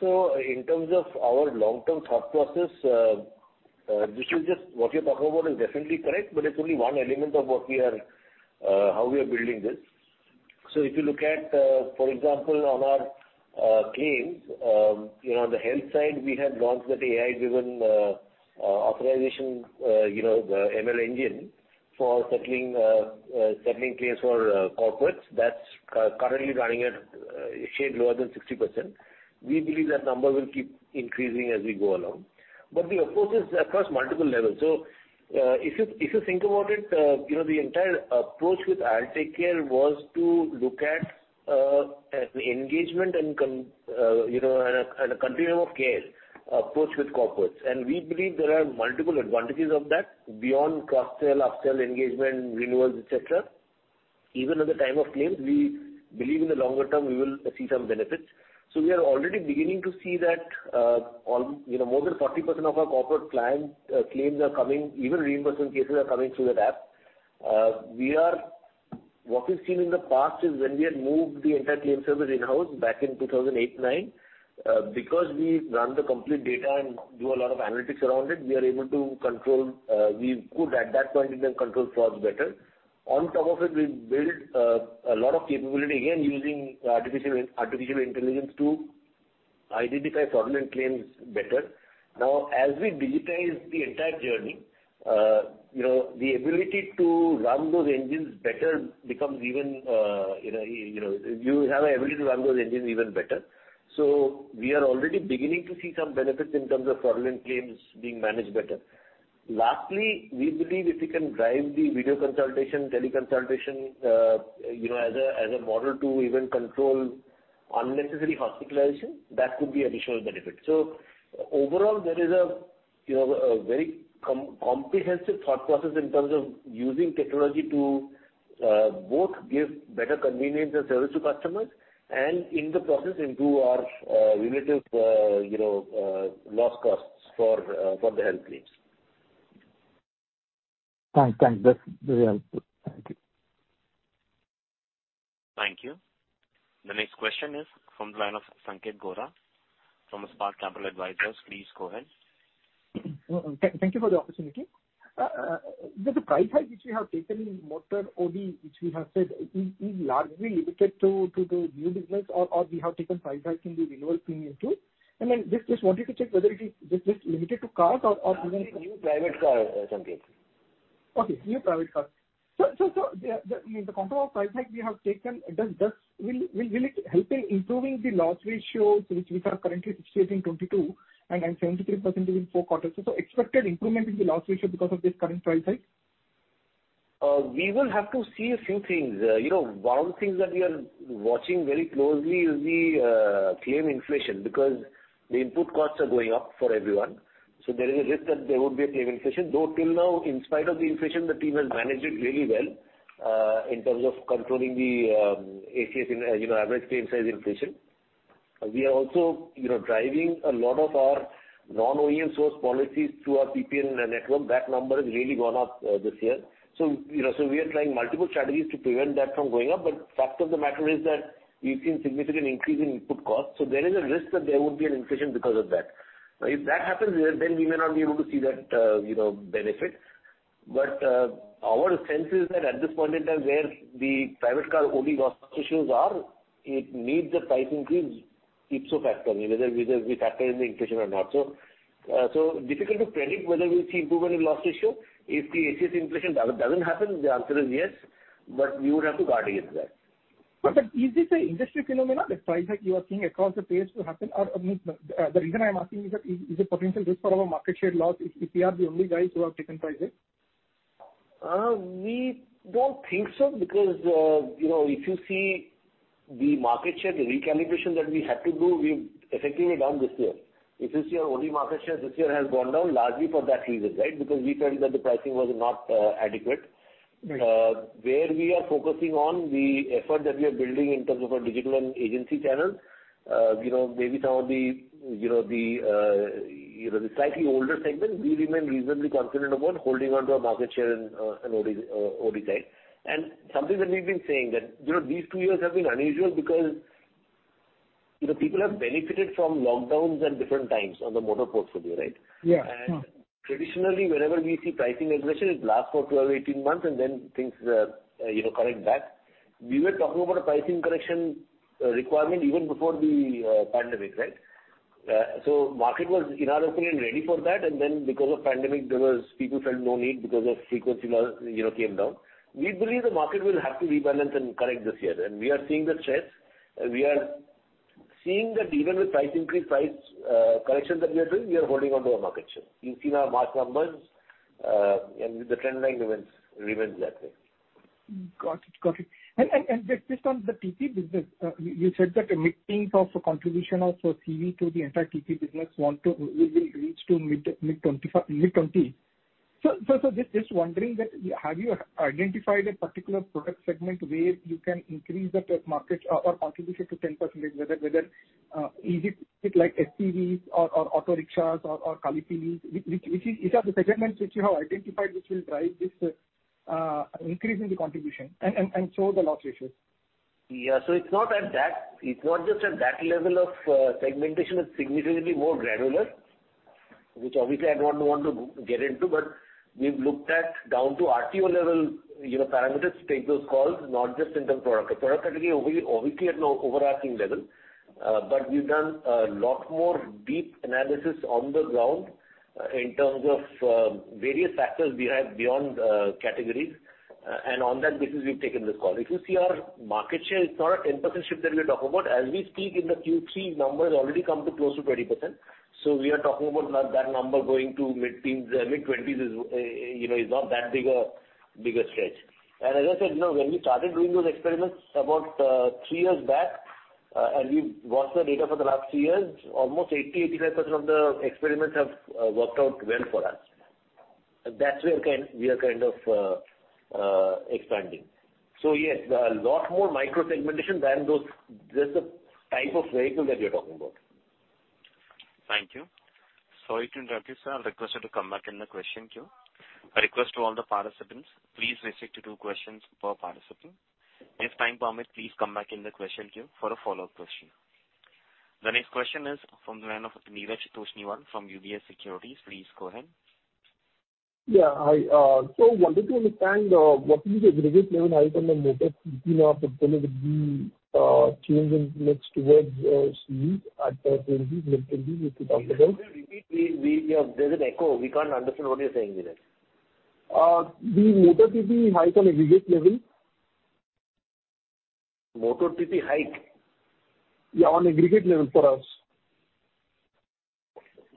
In terms of our long-term thought process, what you're talking about is definitely correct, but it's only one element of what we are, how we are building this. If you look at, for example, on our claims, you know, on the health side, we have launched the AI-driven authorization, you know, the ML engine for settling claims for corporates. That's currently running at a shade lower than 60%. We believe that number will keep increasing as we go along. The approach is across multiple levels. If you think about it, you know, the entire approach with IL TakeCare was to look at an engagement and, you know, a continuum of care approach with corporates. We believe there are multiple advantages of that beyond cross-sell, up-sell engagement, renewals, et cetera. Even at the time of claims, we believe in the longer term we will see some benefits. We are already beginning to see that, on more than 40% of our corporate client claims are coming, even reimbursement cases are coming through that app. What we've seen in the past is when we had moved the entire claim service in-house back in 2008-09, because we run the complete data and do a lot of analytics around it, we were able to control frauds better at that point in time. On top of it, we built a lot of capability, again, using artificial intelligence to identify fraudulent claims better. Now, as we digitize the entire journey, you know, the ability to run those engines better becomes even, you know, you have the ability to run those engines even better. We are already beginning to see some benefits in terms of fraudulent claims being managed better. Lastly, we believe if we can drive the video consultation, teleconsultation, as a model to even control unnecessary hospitalization, that could be additional benefit. Overall, there is a very comprehensive thought process in terms of using technology to both give better convenience and service to customers and in the process improve our relative loss costs for the health claims. Thanks. That's very helpful. Thank you. Thank you. The next question is from the line of Sanketh Godha from Spark Capital Advisors. Please go ahead. Thank you for the opportunity. The price hike which we have taken in motor OD, which we have said is largely limited to the new business or we have taken price hike in the renewal premium too. Just wanted to check whether it is just limited to cars or even-- New private car, Sanket. Okay, new private car. I mean, the control of price hike we have taken, will it help in improving the loss ratios which we are currently witnessing 22% and 73% in four quarters? Expected improvement in the loss ratio because of this current price hike. We will have to see a few things. You know, one of the things that we are watching very closely is the claim inflation because the input costs are going up for everyone. There is a risk that there would be a claim inflation, though till now in spite of the inflation, the team has managed it really well in terms of controlling the ACS in average claim size inflation. We are also you know, driving a lot of our non-OEM sourced policies through our PPN network. That number has really gone up this year. You know, we are trying multiple strategies to prevent that from going up. Fact of the matter is that we've seen significant increase in input costs. There is a risk that there would be an inflation because of that. If that happens, then we may not be able to see that, you know, benefit. Our sense is that at this point in time, where the private car only loss ratios are, it needs a price increase ipso facto, I mean, whether we factor in the inflation or not. It is so difficult to predict whether we'll see improvement in loss ratio. If the ACS inflation doesn't happen, the answer is yes, but we would have to guard against that. Is this an industry phenomenon, the price hike you are seeing across the peers to happen? Or, I mean, the reason I'm asking is that there is a potential risk for our market share loss if we are the only guys who have taken price hike? We don't think so because, you know, if you see the market share, the recalibration that we had to do, we effectively are down this year. If this year, OD market share this year has gone down largely for that reason, right? Because we felt that the pricing was not adequate. Where we are focusing on the effort that we are building in terms of our digital and agency channels, you know, maybe some of the slightly older segment, we remain reasonably confident about holding onto our market share and OD side. Something that we've been saying that, you know, these two years have been unusual because, you know, people have benefited from lockdowns and different times on the motor portfolio, right? Yeah. Traditionally, whenever we see pricing aggression, it lasts for 12, 18 months and then things, you know, correct back. We were talking about a pricing correction, requirement even before the, pandemic, right? So market was, in our opinion, ready for that and then because of pandemic there was people felt no need because of frequency loss, you know, came down. We believe the market will have to rebalance and correct this year and we are seeing that trends. We are seeing that even with price increase price, correction that we are doing, we are holding onto our market share. You've seen our March numbers, and the trend line remains that way. Got it. Got it. Just based on the TP business, you said that mid-teens of contribution of CV to the entire TP business will reach to mid 20. Just wondering that have you identified a particular product segment where you can increase the tech market or contribution to 10%, whether is it like GCVs or auto rickshaws or these are the segments which you have identified which will drive this increase in the contribution and so the loss ratios? Yeah. It's not at that, it's not just at that level of segmentation. It's significantly more granular, which obviously I don't want to get into, but we've looked at down to RTO level, you know, parameters to take those calls, not just in terms of product. The product category obviously at an overarching level. We've done a lot more deep analysis on the ground in terms of various factors beyond categories. On that basis, we've taken this call. If you see our market share, it's not a 10% shift that we're talking about. As we speak, the Q3 number has already come to close to 20%. We are talking about that number going to mid-teens, mid-twenties, you know, is not that big a stretch. As I said, you know, when we started doing those experiments about three years back, and we've watched the data for the last three years, almost 85% of the experiments have worked out well for us. That's where we are kind of expanding. Yes, a lot more micro segmentation than those, just the type of vehicle that we are talking about. Thank you. Sorry to interrupt you, sir. Request you to come back in the question queue. A request to all the participants. Please restrict to two questions per participant. If time permits, please come back in the question queue for a follow-up question. The next question is from the line of Neeraj Toshniwal from UBS Securities. Please go ahead. Yeah. Hi. Wanted to understand what is the aggregate level hike on the motor TP portfolio with the change in mix towards CV at 20s%, mid-20s%. Could you repeat please. There's an echo. We can't understand what you're saying, Neeraj. The motor TP hike on aggregate level. Motor TP hike? Yeah, on aggregate level for us.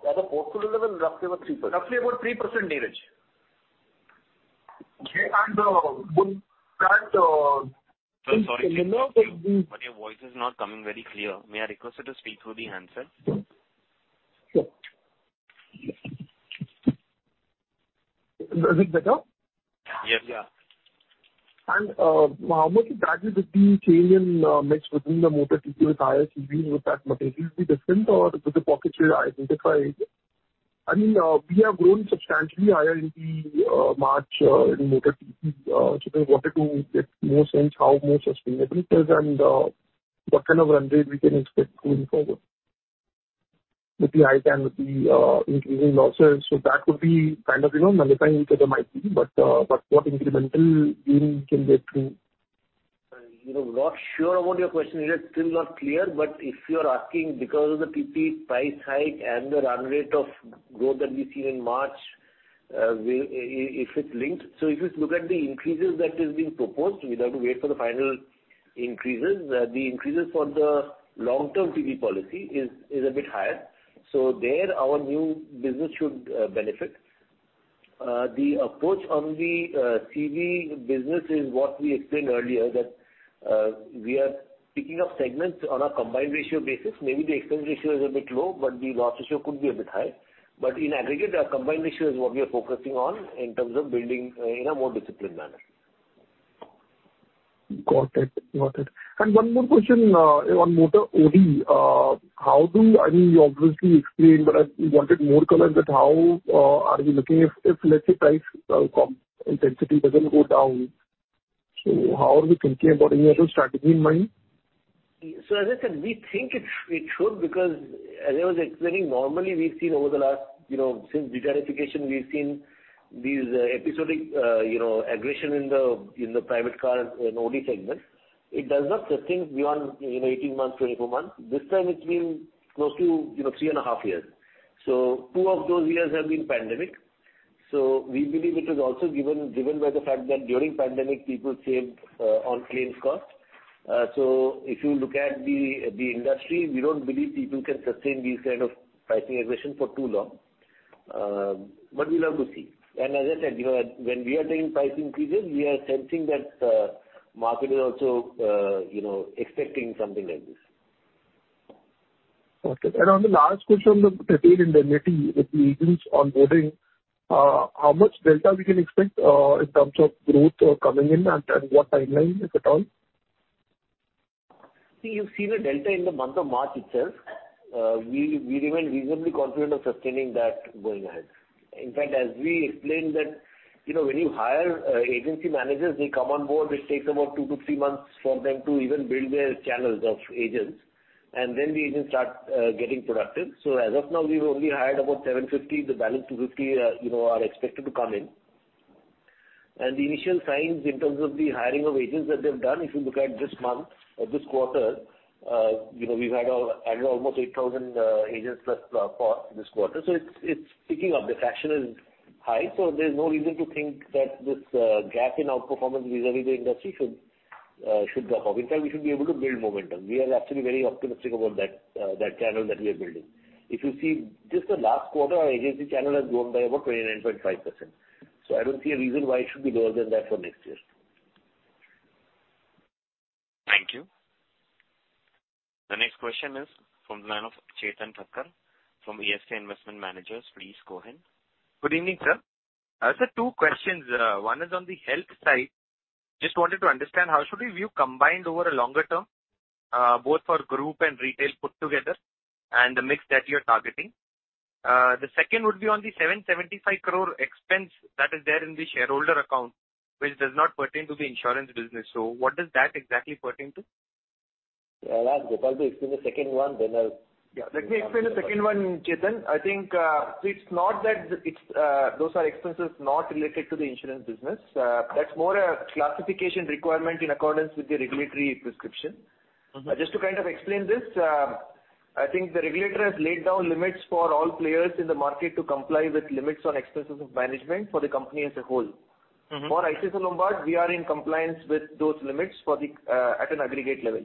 At a portfolio level, roughly about 3%, Neeraj. Okay. With current-- Sir, sorry to interrupt you, but your voice is not coming very clear. May I request you to speak through the handset? Sure. Is it better? Yes. Yeah. How much impact will the change in mix within the motor TP with higher CV with that margin? Will it be different or with the pockets you have identified? I mean, we have grown substantially higher in the March in motor TP. So then wanted to get more sense how more sustainable it is and what kind of run rate we can expect going forward with the hike and with the increasing losses. So that would be kind of, you know, multiplying each other might be. But what incremental gain we can get through? You know, not sure about your question, Neeraj. Still not clear. If you're asking because of the TP price hike and the run rate of growth that we've seen in March, if it's linked. If you look at the increases that is being proposed, we have to wait for the final increases. The increases for the long-term TP policy is a bit higher. There our new business should benefit. The approach on the CV business is what we explained earlier, that we are picking up segments on a combined ratio basis. Maybe the expense ratio is a bit low, but the loss ratio could be a bit high. In aggregate, our combined ratio is what we are focusing on in terms of building in a more disciplined manner. Got it. One more question on motor OD. I mean, you obviously explained, but I wanted more color on how you are looking if, let's say, price intensity doesn't go down. How are we thinking about any other strategy in mind? As I said, we think it should because as I was explaining, normally we've seen over the last, you know, since digitalization, we've seen these episodic, you know, aggression in the Private Car and OD segment. It does not sustain beyond, you know, 18 months, 24 months. This time it's been close to, you know, 3.5 years. Two of those years have been pandemic. We believe it was also driven by the fact that during pandemic people saved on claims cost. If you look at the industry, we don't believe people can sustain these kind of pricing aggression for too long. We'll have to see. As I said, you know, when we are doing price increases, we are sensing that the market is also, you know, expecting something like this. Okay. On the last question on the retail indemnity with the agents onboarding, how much delta we can expect, in terms of growth coming in, and what timeline, if at all? See, you've seen a delta in the month of March itself. We remain reasonably confident of sustaining that going ahead. In fact, as we explained that, you know, when you hire agency managers, they come on board, it takes about two-three months for them to even build their channels of agents, and then the agents start getting productive. So as of now, we've only hired about 750, the balance 250, you know, are expected to come in. The initial signs in terms of the hiring of agents that they've done, if you look at this month or this quarter, you know, we've had added almost 8,000 agents plus for this quarter. So it's picking up. The traction is high, so there's no reason to think that this gap in outperformance vis-à-vis the industry should drop off. In fact, we should be able to build momentum. We are actually very optimistic about that channel that we are building. If you see just the last quarter, our agency channel has grown by about 29.5%. I don't see a reason why it should be lower than that for next year. Thank you. The next question is from the line of Chetan Thacker from ASK Investment Managers. Please go ahead. Good evening, sir. I have, sir, two questions. One is on the health side. Just wanted to understand how should we view combined over a longer term, both for group and retail put together and the mix that you're targeting. The second would be on the 775 crore expense that is there in the shareholder account, which does not pertain to the insurance business. What does that exactly pertain to? Yeah, let Gopal to explain the second one, then I'll-- Yeah, let me explain the second one, Chetan. I think, it's not that those are expenses not related to the insurance business. That's more a classification requirement in accordance with the regulatory prescription. Just to kind of explain this, I think the regulator has laid down limits for all players in the market to comply with limits on expenses of management for the company as a whole. For ICICI Lombard, we are in compliance with those limits for at an aggregate level.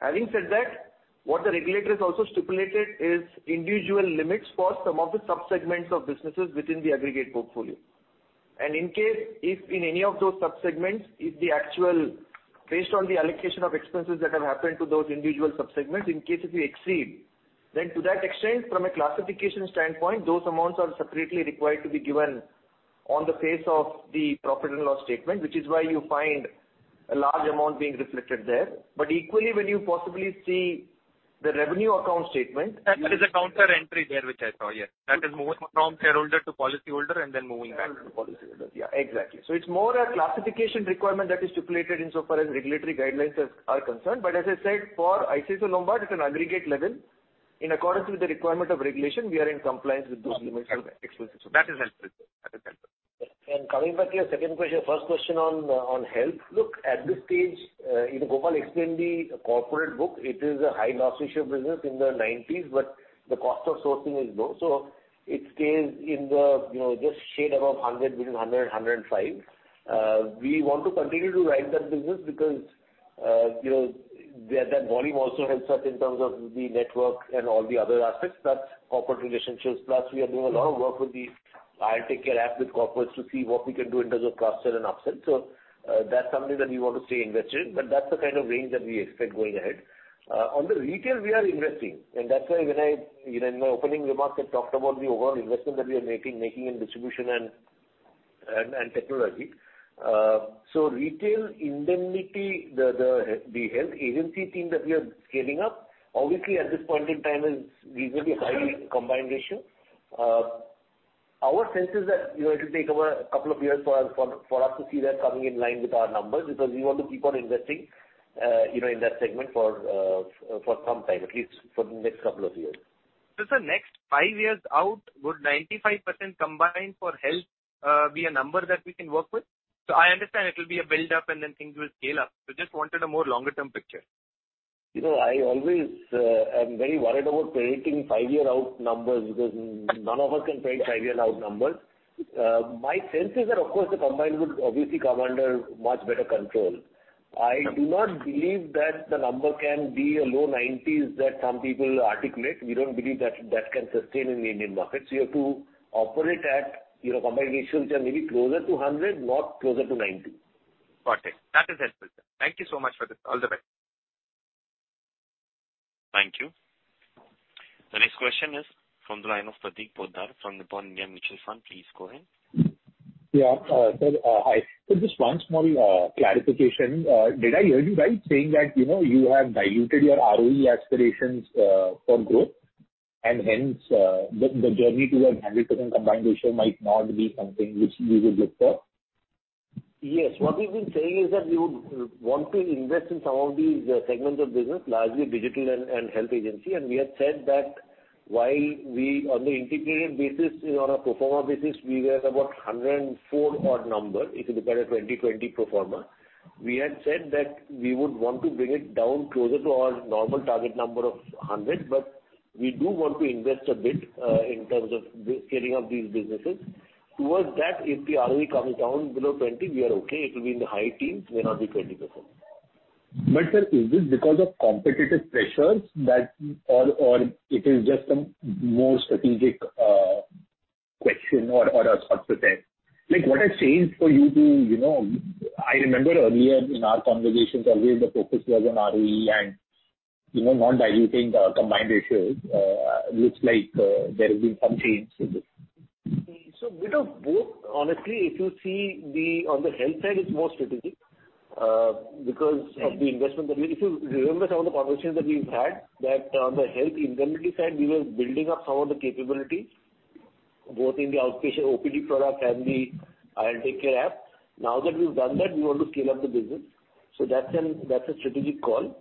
Having said that, what the regulator has also stipulated is individual limits for some of the sub-segments of businesses within the aggregate portfolio. In case if in any of those sub-segments, if the actual, based on the allocation of expenses that have happened to those individual sub-segments, in case if we exceed, then to that extent from a classification standpoint, those amounts are separately required to be given on the face of the profit and loss statement, which is why you find a large amount being reflected there. Equally, when you possibly see the revenue account statement There is a counter entry there, which I saw, yes. That is moving from shareholder to policyholder and then moving back. Shareholder to policyholder, yeah, exactly. It's more a classification requirement that is stipulated in so far as regulatory guidelines is, are concerned. As I said, for ICICI Lombard at an aggregate level, in accordance with the requirement of regulation, we are in compliance with those limits of expenses. That is helpful. Coming back to your second question, first question on health. Look, at this stage, you know, Gopal explained the corporate book. It is a high loss ratio business in the nineties, but the cost of sourcing is low. It scales in the, you know, just shade above 100, between 100%-105%. We want to continue to write that business because, you know, that volume also helps us in terms of the network and all the other aspects, plus corporate relationships, plus we are doing a lot of work with the IL TakeCare app with corporates to see what we can do in terms of cross-sell and upsell. That's something that we want to stay invested in, but that's the kind of range that we expect going ahead. On the retail we are investing, and that's why when I, you know, in my opening remarks, I talked about the overall investment that we are making in distribution and technology. So retail indemnity, the health agency team that we are scaling up, obviously at this point in time is reasonably high combined ratio. Our sense is that, you know, it'll take over a couple of years for us to see that coming in line with our numbers because we want to keep on investing, you know, in that segment for some time, at least for the next couple of years. Sir, next 5 years out, would 95% combined for health be a number that we can work with? I understand it'll be a build up and then things will scale up. Just wanted a more longer term picture. You know, I always am very worried about predicting five-year-out numbers because none of us can predict five-year-out numbers. My sense is that of course, the combined would obviously come under much better control. I do not believe that the number can be low 90s that some people articulate. We don't believe that that can sustain in the Indian market. You have to operate at, you know, combined ratios which are maybe closer to 100, not closer to 90. Got it. That is helpful, sir. Thank you so much for this. All the best. Thank you. The next question is from the line of Prateek Poddar from Nippon India Mutual Fund. Please go ahead. Yeah. Sir, just one small clarification. Did I hear you right saying that, you know, you have diluted your ROE aspirations for growth and hence, the journey towards 100% combined ratio might not be something which we will look for? Yes. What we've been saying is that we would want to invest in some of these segments of business, largely digital and health agency. We have said that while we on the integrated basis, on a pro forma basis, we were at about 104 odd number. If you look at our 2020 pro forma, we had said that we would want to bring it down closer to our normal target number of 100, but we do want to invest a bit in terms of the scaling of these businesses. Towards that, if the ROE comes down below 20, we are okay. It will be in the high teens, may not be 20%. Sir, is this because of competitive pressures that or it is just some more strategic question or a thought to that? Like, what has changed for you to, you know I remember earlier in our conversations always the focus was on ROE and, you know, not diluting the combined ratios. Looks like there has been some change in this. Bit of both. Honestly, if you see on the health side, it's more strategic, because of the investment that we. If you remember some of the conversations that we've had, that on the health indemnity side we were building up some of the capabilities, both in the outpatient OPD product and the IL TakeCare app. Now that we've done that, we want to scale up the business. That's an, that's a strategic call.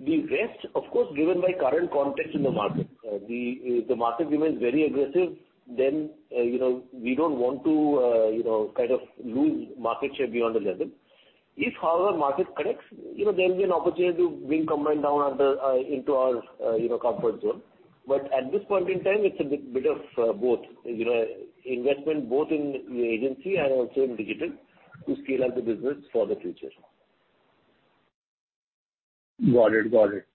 The rest, of course, driven by current context in the market. If the market remains very aggressive, then, you know, we don't want to, you know, kind of lose market share beyond a level. If, however, market corrects, you know, there will be an opportunity to bring combined down under, into our, you know, comfort zone. At this point in time, it's a bit of both. You know, investment both in the agency and also in digital to scale up the business for the future. Got it.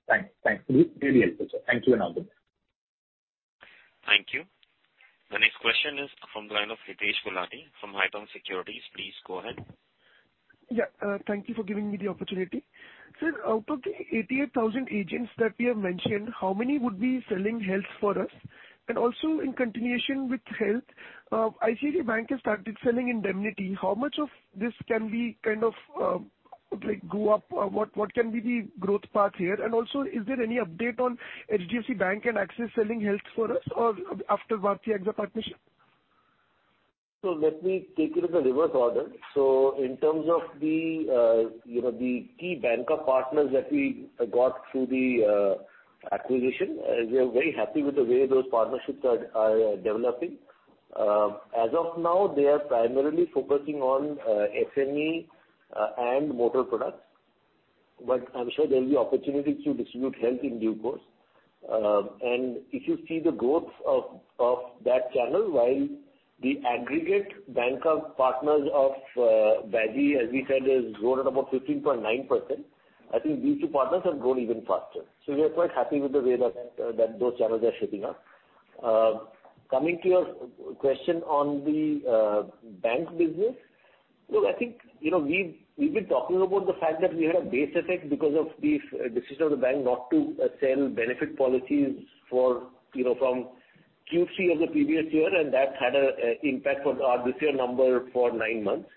Thanks. Really helpful, sir. Thank you and all the best. Thank you. The next question is from the line of Hitesh Gulati from Edelweiss Securities. Please go ahead. Yeah. Thank you for giving me the opportunity. Sir, out of the 88,000 agents that we have mentioned, how many would be selling health for us? Also in continuation with health, ICICI Bank has started selling indemnity. How much of this can we kind of, like, go up? What can be the growth path here? Also, is there any update on HDFC Bank and Axis selling health for us or after Bharti AXA partnership? Let me take it in the reverse order. In terms of the, you know, the key banker partners that we got through the acquisition, we are very happy with the way those partnerships are developing. As of now, they are primarily focusing on SME and motor products, but I'm sure there'll be opportunity to distribute health in due course. And if you see the growth of that channel, while the aggregate banker partners of Bharti, as we said, has grown at about 15.9%, I think these two partners have grown even faster. We are quite happy with the way that those channels are shaping up. Coming to your question on the bank business. Look, I think, you know, we've been talking about the fact that we had a base effect because of the decision of the bank not to sell benefit policies for, you know, from Q3 of the previous year, and that had an impact for our this year number for nine months.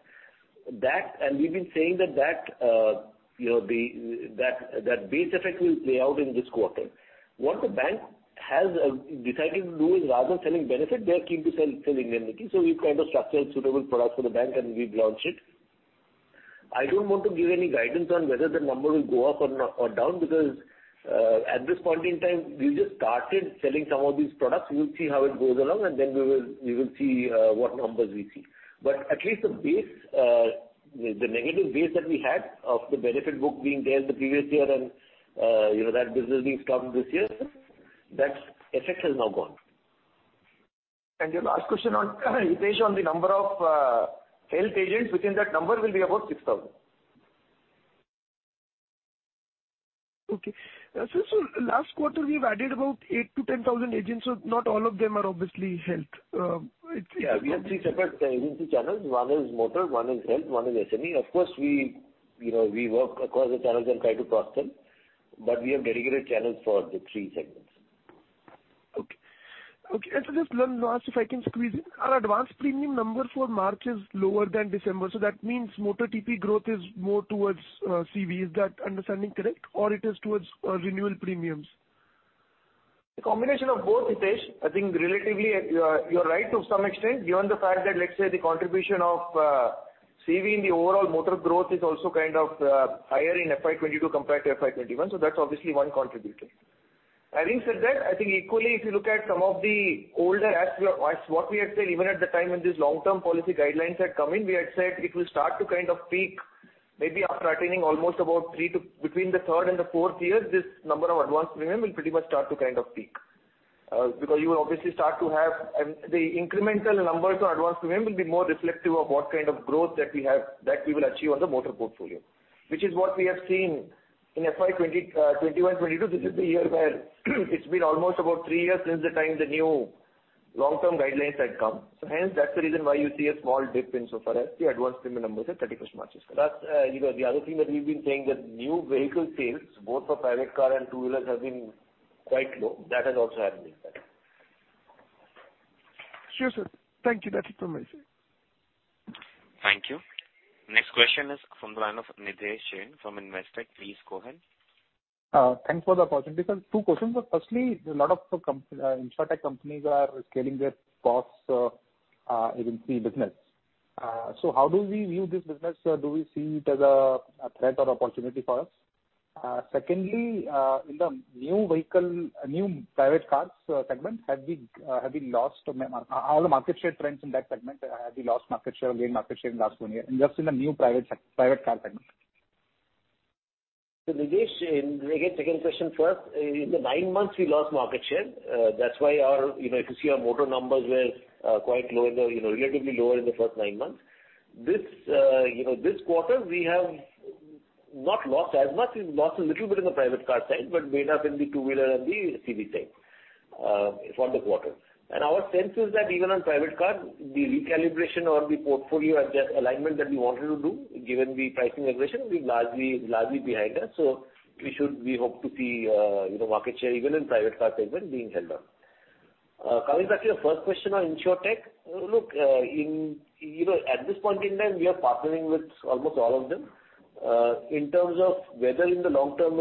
That we've been saying that, you know, that base effect will play out in this quarter. What the bank has decided to do is rather than selling benefit, they are keen to sell indemnity. We've kind of structured suitable products for the bank, and we've launched it. I don't want to give any guidance on whether the number will go up or not or down because at this point in time, we've just started selling some of these products. We'll see how it goes along and then we will see what numbers we see. At least the base, the negative base that we had of the benefit book being there the previous year and, you know, that business being stopped this year, that effect has now gone. Thank you. Last question on Hitesh on the number of health agents. Within that number will be about 6,000. Okay. Sir, so last quarter we've added about eight-10 thousand agents, so not all of them are obviously health. It's, yeah. Yeah, we have three separate agency channels. One is motor, one is health, one is SME. Of course, we, you know, we work across the channels and try to cross-sell, but we have dedicated channels for the three segments. Okay. Just one last, if I can squeeze in. Our advanced premium number for March is lower than December, so that means motor TP growth is more towards CV. Is that understanding correct? Or it is towards renewal premiums? A combination of both, Hitesh. I think relatively, you're right to some extent, given the fact that, let's say, the contribution of CV in the overall motor growth is also kind of higher in FY 2022 compared to FY 2021. That's obviously one contributor. Having said that, I think equally, if you look at some of the older, as what we had said even at the time when these long-term policy guidelines had come in, we had said it will start to kind of peak maybe after attaining almost about three to between the third and the fourth year, this number of advanced premium will pretty much start to kind of peak. Because you will obviously start to have The incremental numbers of advance premium will be more reflective of what kind of growth that we have, that we will achieve on the motor portfolio. Which is what we have seen in FY 2021, 2022. This is the year where it's been almost about three years since the time the new long-term guidelines had come. Hence, that's the reason why you see a small dip in so far as the advance premium numbers at 31 March this year. Plus, you know, the other thing that we've been saying that new vehicle sales, both for private car and two-wheelers, have been quite low. That has also had an impact. Sure, sir. Thank you. That's it from my side. Thank you. Next question is from the line of Nidhesh Jain from Investec. Please go ahead. Thanks for the opportunity, sir. Two questions. Firstly, a lot of InsurTech companies are scaling their costs in fee business. How do we view this business? Do we see it as a threat or opportunity for us? Secondly, in the new vehicle new Private cars segment, have we lost market share at all in that segment? Have we lost market share or gained market share in last one year? Just in the new Private car segment. Nidhesh, again, second question first. In the nine months we lost market share, that's why our, you know, if you see our motor numbers were quite low in the, you know, relatively lower in the first nine months. This, you know, this quarter we have not lost as much. We've lost a little bit in the private car side, but made up in the two-wheeler and the CV side, for the quarter. Our sense is that even on private car, the recalibration or the portfolio alignment that we wanted to do, given the pricing aggression will be largely behind us. We hope to see, you know, market share even in Private car segment being held up. Coming back to your first question on InsurTech. Look, you know, at this point in time, we are partnering with almost all of them. In terms of whether in the long term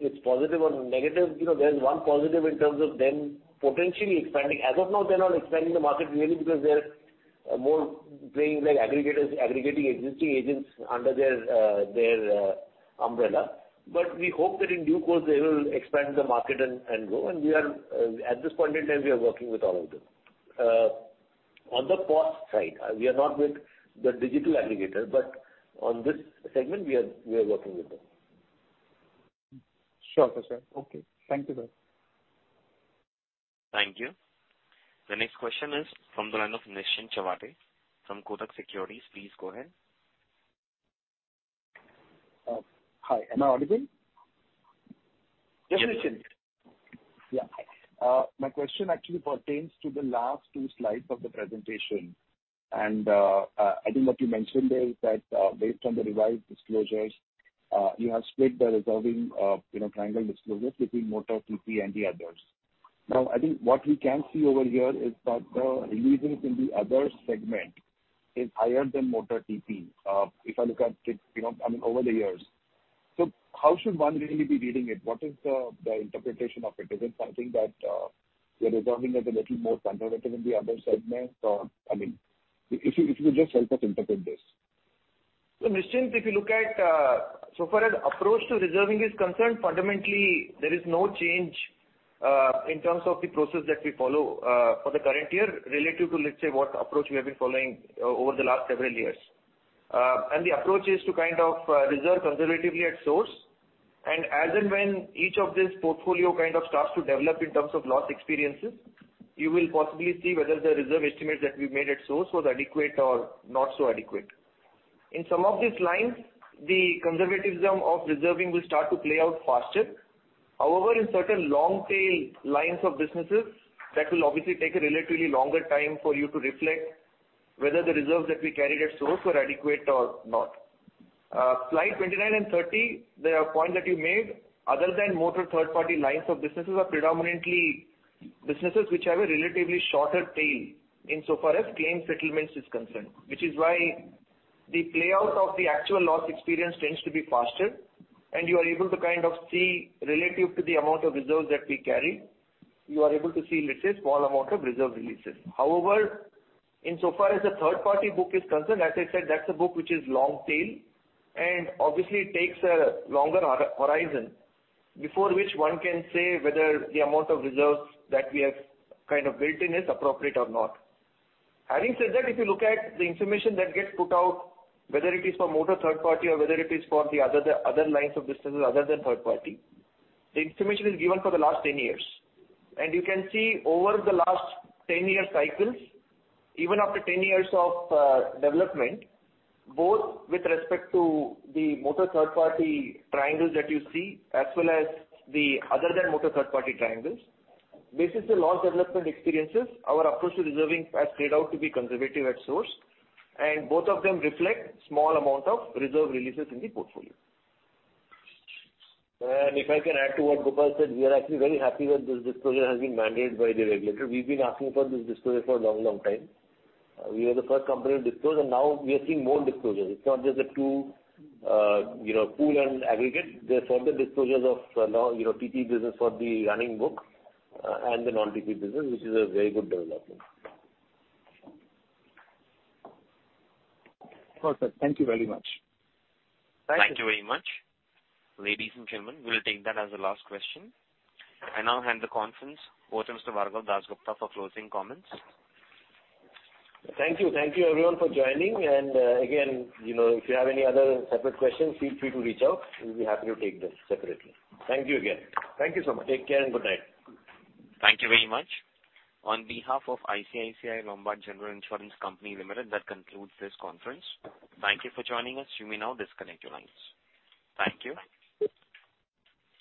it's positive or negative, you know, there's one positive in terms of them potentially expanding. As of now, they're not expanding the market really because they're more playing like aggregators, aggregating existing agents under their umbrella. We hope that in due course they will expand the market and grow. We are at this point in time working with all of them. On the POS side, we are not with the digital aggregator, but on this segment we are working with them. Sure, sir. Okay. Thank you very much. Thank you. The next question is from the line of Nischint Chawathe from Kotak Securities. Please go ahead. Hi. Am I audible? Yes. Yes, Nischint. Yeah. Hi. My question actually pertains to the last two slides of the presentation. I think what you mentioned there is that, based on the revised disclosures, you have split the reserving, you know, triangle disclosures between motor TP and the others. Now, I think what we can see over here is that the releases in the other segment is higher than motor TP, if I look at it, you know, I mean over the years. So how should one really be reading it? What is the interpretation of it? Is it something that we are reserving a little more conservatively in the other segments or, I mean, if you could just help us interpret this. Nishant, if you look at, so far as approach to reserving is concerned, fundamentally there is no change, in terms of the process that we follow, for the current year relative to, let's say, what approach we have been following over the last several years. The approach is to kind of, reserve conservatively at source and as and when each of this portfolio kind of starts to develop in terms of loss experiences, you will possibly see whether the reserve estimates that we made at source was adequate or not so adequate. In some of these lines, the conservatism of reserving will start to play out faster. However, in certain long tail lines of businesses, that will obviously take a relatively longer time for you to reflect whether the reserves that we carried at source were adequate or not. Slide 29 and 30, the point that you made, other than motor third party lines of businesses are predominantly businesses which have a relatively shorter tail in so far as claim settlements is concerned, which is why the play out of the actual loss experience tends to be faster and you are able to kind of see relative to the amount of reserves that we carry, you are able to see, let's say, small amount of reserve releases. However, in so far as the third-party book is concerned, as I said that's a book which is long tail and obviously takes a longer horizon before which one can say whether the amount of reserves that we have kind of built in is appropriate or not. Having said that, if you look at the information that gets put out, whether it is for motor third party or whether it is for the other lines of businesses other than third party, the information is given for the last 10 years. You can see over the last 10-year cycles, even after 10 years of development, both with respect to the motor third-party triangles that you see, as well as the other than motor third party triangles. Based on the loss development experiences, our approach to reserving has played out to be conservative at source, and both of them reflect small amount of reserve releases in the portfolio. If I can add to what Gopal said, we are actually very happy that this disclosure has been mandated by the regulator. We've been asking for this disclosure for a long, long time. We are the first company to disclose and now we are seeing more disclosures. It's not just the two, you know, pool and aggregate. There are further disclosures of, now, you know, TP business for the running book, and the non-TP business, which is a very good development. Perfect. Thank you very much. Thank you very much. Ladies and gentlemen, we'll take that as the last question. I now hand the conference over to Mr. Bhargav Dasgupta for closing comments. Thank you. Thank you everyone for joining and, again, you know, if you have any other separate questions, feel free to reach out. We'll be happy to take them separately. Thank you again. Thank you so much. Take care and good night. Thank you very much. On behalf of ICICI Lombard General Insurance Company Limited, that concludes this conference. Thank you for joining us. You may now disconnect your lines. Thank you.